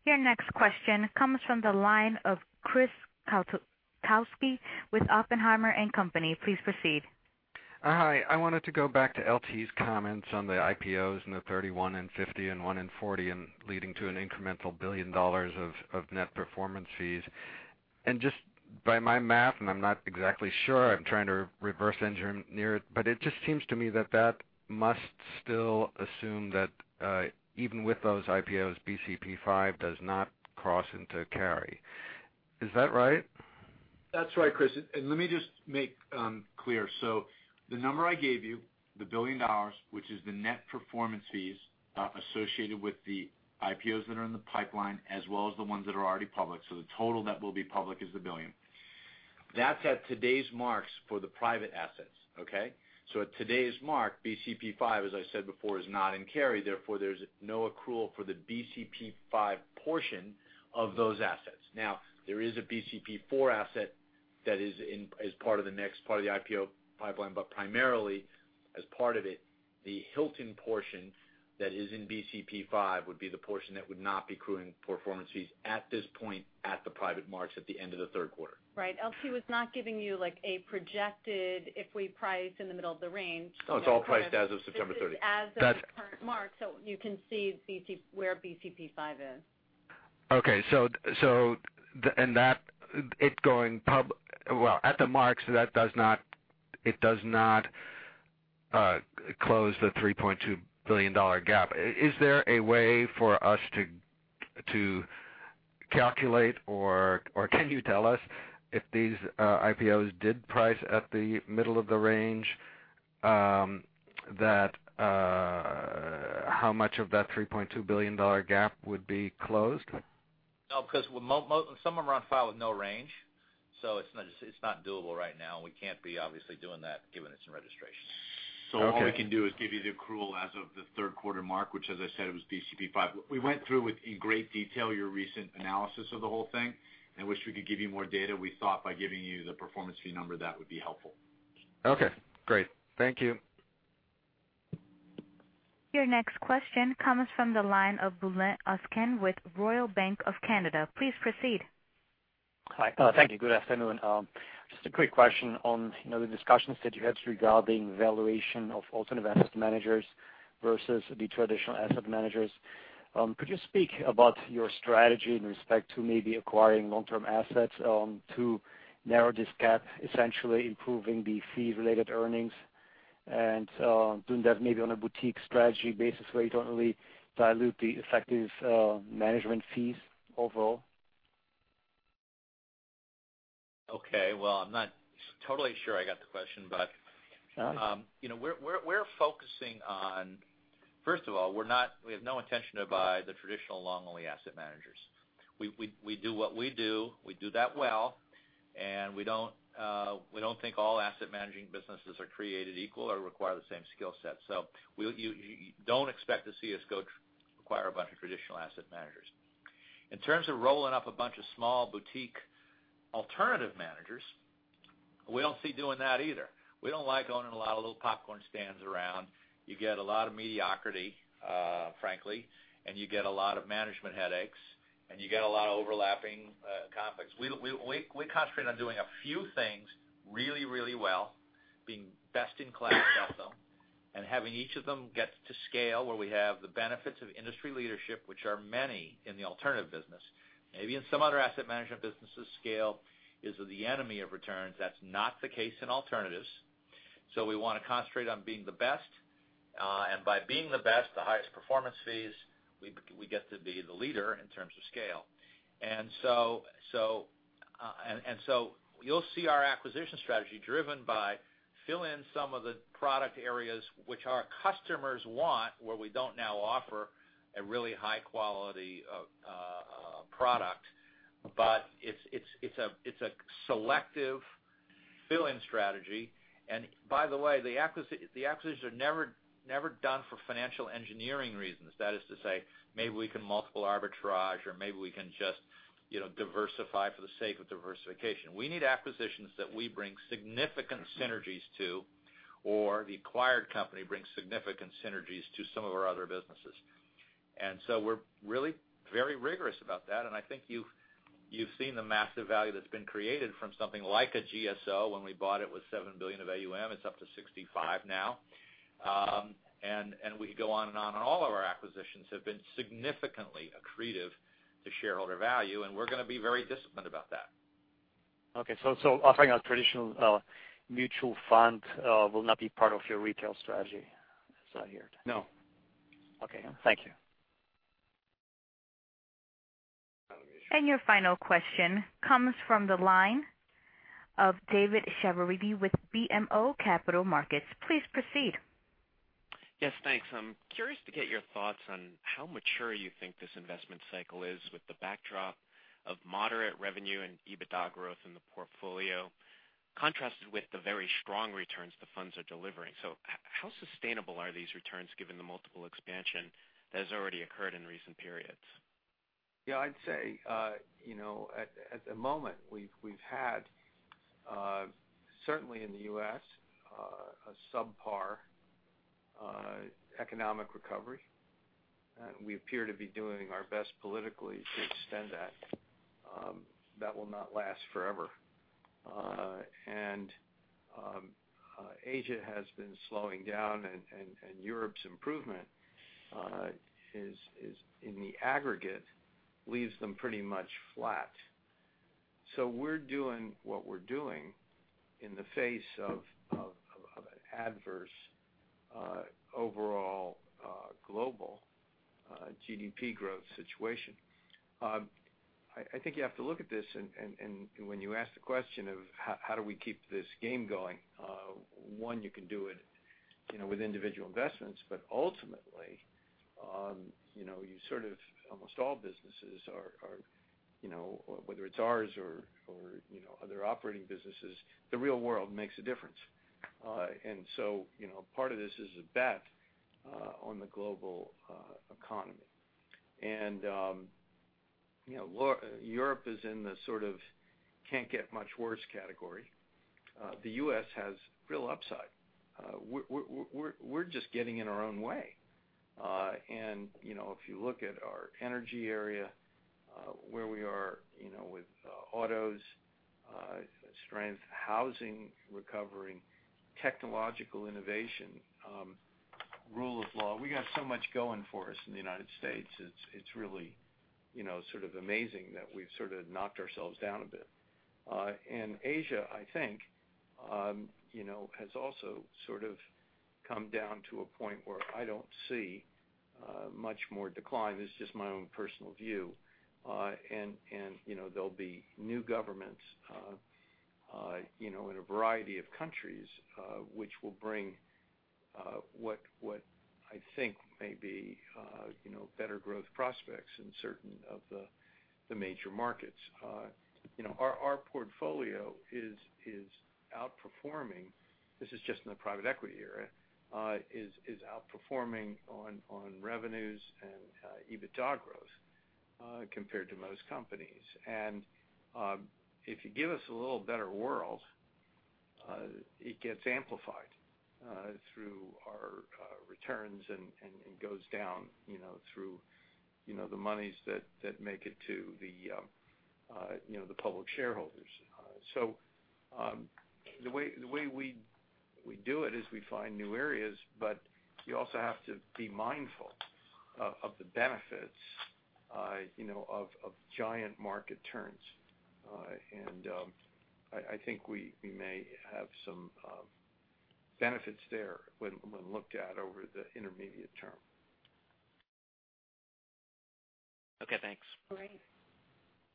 S1: Your next question comes from the line of Chris Kotowski with Oppenheimer & Co. Please proceed.
S17: Hi. I wanted to go back to LT's comments on the IPOs and the 31 and 50 and one in 40 and leading to an incremental $1 billion of net performance fees. Just by my math, I'm not exactly sure, I'm trying to reverse engineer near it just seems to me that that must still assume that even with those IPOs, BCP V does not cross into carry. Is that right?
S7: That's right, Chris. Let me just make clear. The number I gave you, the $1 billion, which is the net performance fees, associated with the IPOs that are in the pipeline as well as the ones that are already public, the total that will be public is the $1 billion. That's at today's marks for the private assets, okay? At today's mark, BCP V, as I said before, is not in carry, therefore there's no accrual for the BCP V portion of those assets. Now, there is a BCP IV asset that is part of the next part of the IPO pipeline, but primarily as part of it, the Hilton portion that is in BCP V would be the portion that would not be accruing performance fees at this point at the private marks at the end of the third quarter.
S2: Right. LT was not giving you a projected, if we price in the middle of the range-
S7: No, it's all priced as of September 30th.
S2: This is as of the current mark, so you can see where BCP V is.
S17: Okay. At the marks, it does not close the $3.2 billion gap. Is there a way for us to calculate or can you tell us if these IPOs did price at the middle of the range, how much of that $3.2 billion gap would be closed?
S7: No, because some of them are on file with no range. It's not doable right now. We can't be obviously doing that given it's in registration.
S17: Okay.
S7: All we can do is give you the accrual as of the third quarter mark, which as I said, it was BCP V. We went through with great detail your recent analysis of the whole thing. I wish we could give you more data. We thought by giving you the performance fee number, that would be helpful.
S17: Okay, great. Thank you.
S1: Your next question comes from the line of Bulent Ozkan with Royal Bank of Canada. Please proceed.
S18: Hi. Thank you. Good afternoon. Just a quick question on the discussions that you had regarding valuation of alternative asset managers versus the traditional asset managers. Could you speak about your strategy in respect to maybe acquiring long-term assets to narrow this gap, essentially improving the fee-related earnings and doing that maybe on a boutique strategy basis where you don't really dilute the effective management fees overall?
S7: Okay. Well, I'm not totally sure I got the question.
S18: Sure
S7: We're focusing on First of all, we have no intention to buy the traditional long-only asset managers. We do what we do. We do that well, and we don't think all asset managing businesses are created equal or require the same skill set. Don't expect to see us go acquire a bunch of traditional asset managers. In terms of rolling up a bunch of small boutique alternative managers, we don't see doing that either. We don't like owning a lot of little popcorn stands around. You get a lot of mediocrity, frankly, and you get a lot of management headaches, and you get a lot of overlapping conflicts. We concentrate on doing a few things really well, being best in class at them, and having each of them get to scale where we have the benefits of industry leadership, which are many in the alternative business. Maybe in some other asset management businesses, scale is the enemy of returns. That's not the case in alternatives. We want to concentrate on being the best. By being the best, the highest performance fees, we get to be the leader in terms of scale. You'll see our acquisition strategy driven by fill in some of the product areas which our customers want, where we don't now offer a really high-quality product. It's a selective fill-in strategy. By the way, the acquisitions are never done for financial engineering reasons. That is to say, maybe we can multiple arbitrage or maybe we can just diversify for the sake of diversification. We need acquisitions that we bring significant synergies to, or the acquired company brings significant synergies to some of our other businesses. We're really very rigorous about that, and I think you've seen the massive value that's been created from something like a GSO. When we bought it was $7 billion of AUM. It's up to 65 now. We could go on and on. All of our acquisitions have been significantly accretive to shareholder value, and we're going to be very disciplined about that.
S18: Okay. Offering a traditional mutual fund will not be part of your retail strategy, is that I hear it?
S7: No.
S18: Okay. Thank you.
S1: Your final question comes from the line of David Chiaverini with BMO Capital Markets. Please proceed.
S19: Yes, thanks. I'm curious to get your thoughts on how mature you think this investment cycle is with the backdrop of moderate revenue and EBITDA growth in the portfolio, contrasted with the very strong returns the funds are delivering. How sustainable are these returns given the multiple expansion that has already occurred in recent periods?
S7: Yeah, I'd say, at the moment, we've had, certainly in the U.S., a subpar economic recovery. We appear to be doing our best politically to extend that. That will not last forever. Asia has been slowing down, and Europe's improvement is in the aggregate, leaves them pretty much flat. We're doing what we're doing in the face of an adverse overall global GDP growth situation. I think you have to look at this, and when you ask the question of how do we keep this game going, one, you can do it with individual investments. Ultimately, almost all businesses are, whether it's ours or other operating businesses, the real world makes a difference. Part of this is a bet on the global economy. Europe is in the sort of can't get much worse category. The U.S. has real upside.
S3: We're just getting in our own way. If you look at our energy area, where we are with autos strength, housing recovery, technological innovation, rule of law, we got so much going for us in the U.S. It's really sort of amazing that we've sort of knocked ourselves down a bit. Asia, I think, has also sort of come down to a point where I don't see much more decline. This is just my own personal view. There'll be new governments in a variety of countries, which will bring what I think may be better growth prospects in certain of the major markets. Our portfolio is outperforming, this is just in the private equity area, is outperforming on revenues and EBITDA growth compared to most companies. If you give us a little better world, it gets amplified through our returns and goes down through the monies that make it to the public shareholders. The way we do it is we find new areas, but you also have to be mindful of the benefits of giant market turns. I think we may have some benefits there when looked at over the intermediate term.
S19: Okay, thanks.
S2: Great.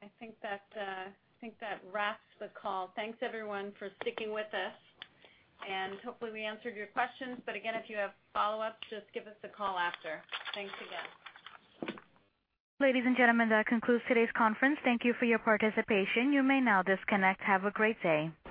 S2: I think that wraps the call. Thanks everyone for sticking with us. Hopefully we answered your questions. Again, if you have follow-ups, just give us a call after. Thanks again.
S1: Ladies and gentlemen, that concludes today's conference. Thank you for your participation. You may now disconnect. Have a great day.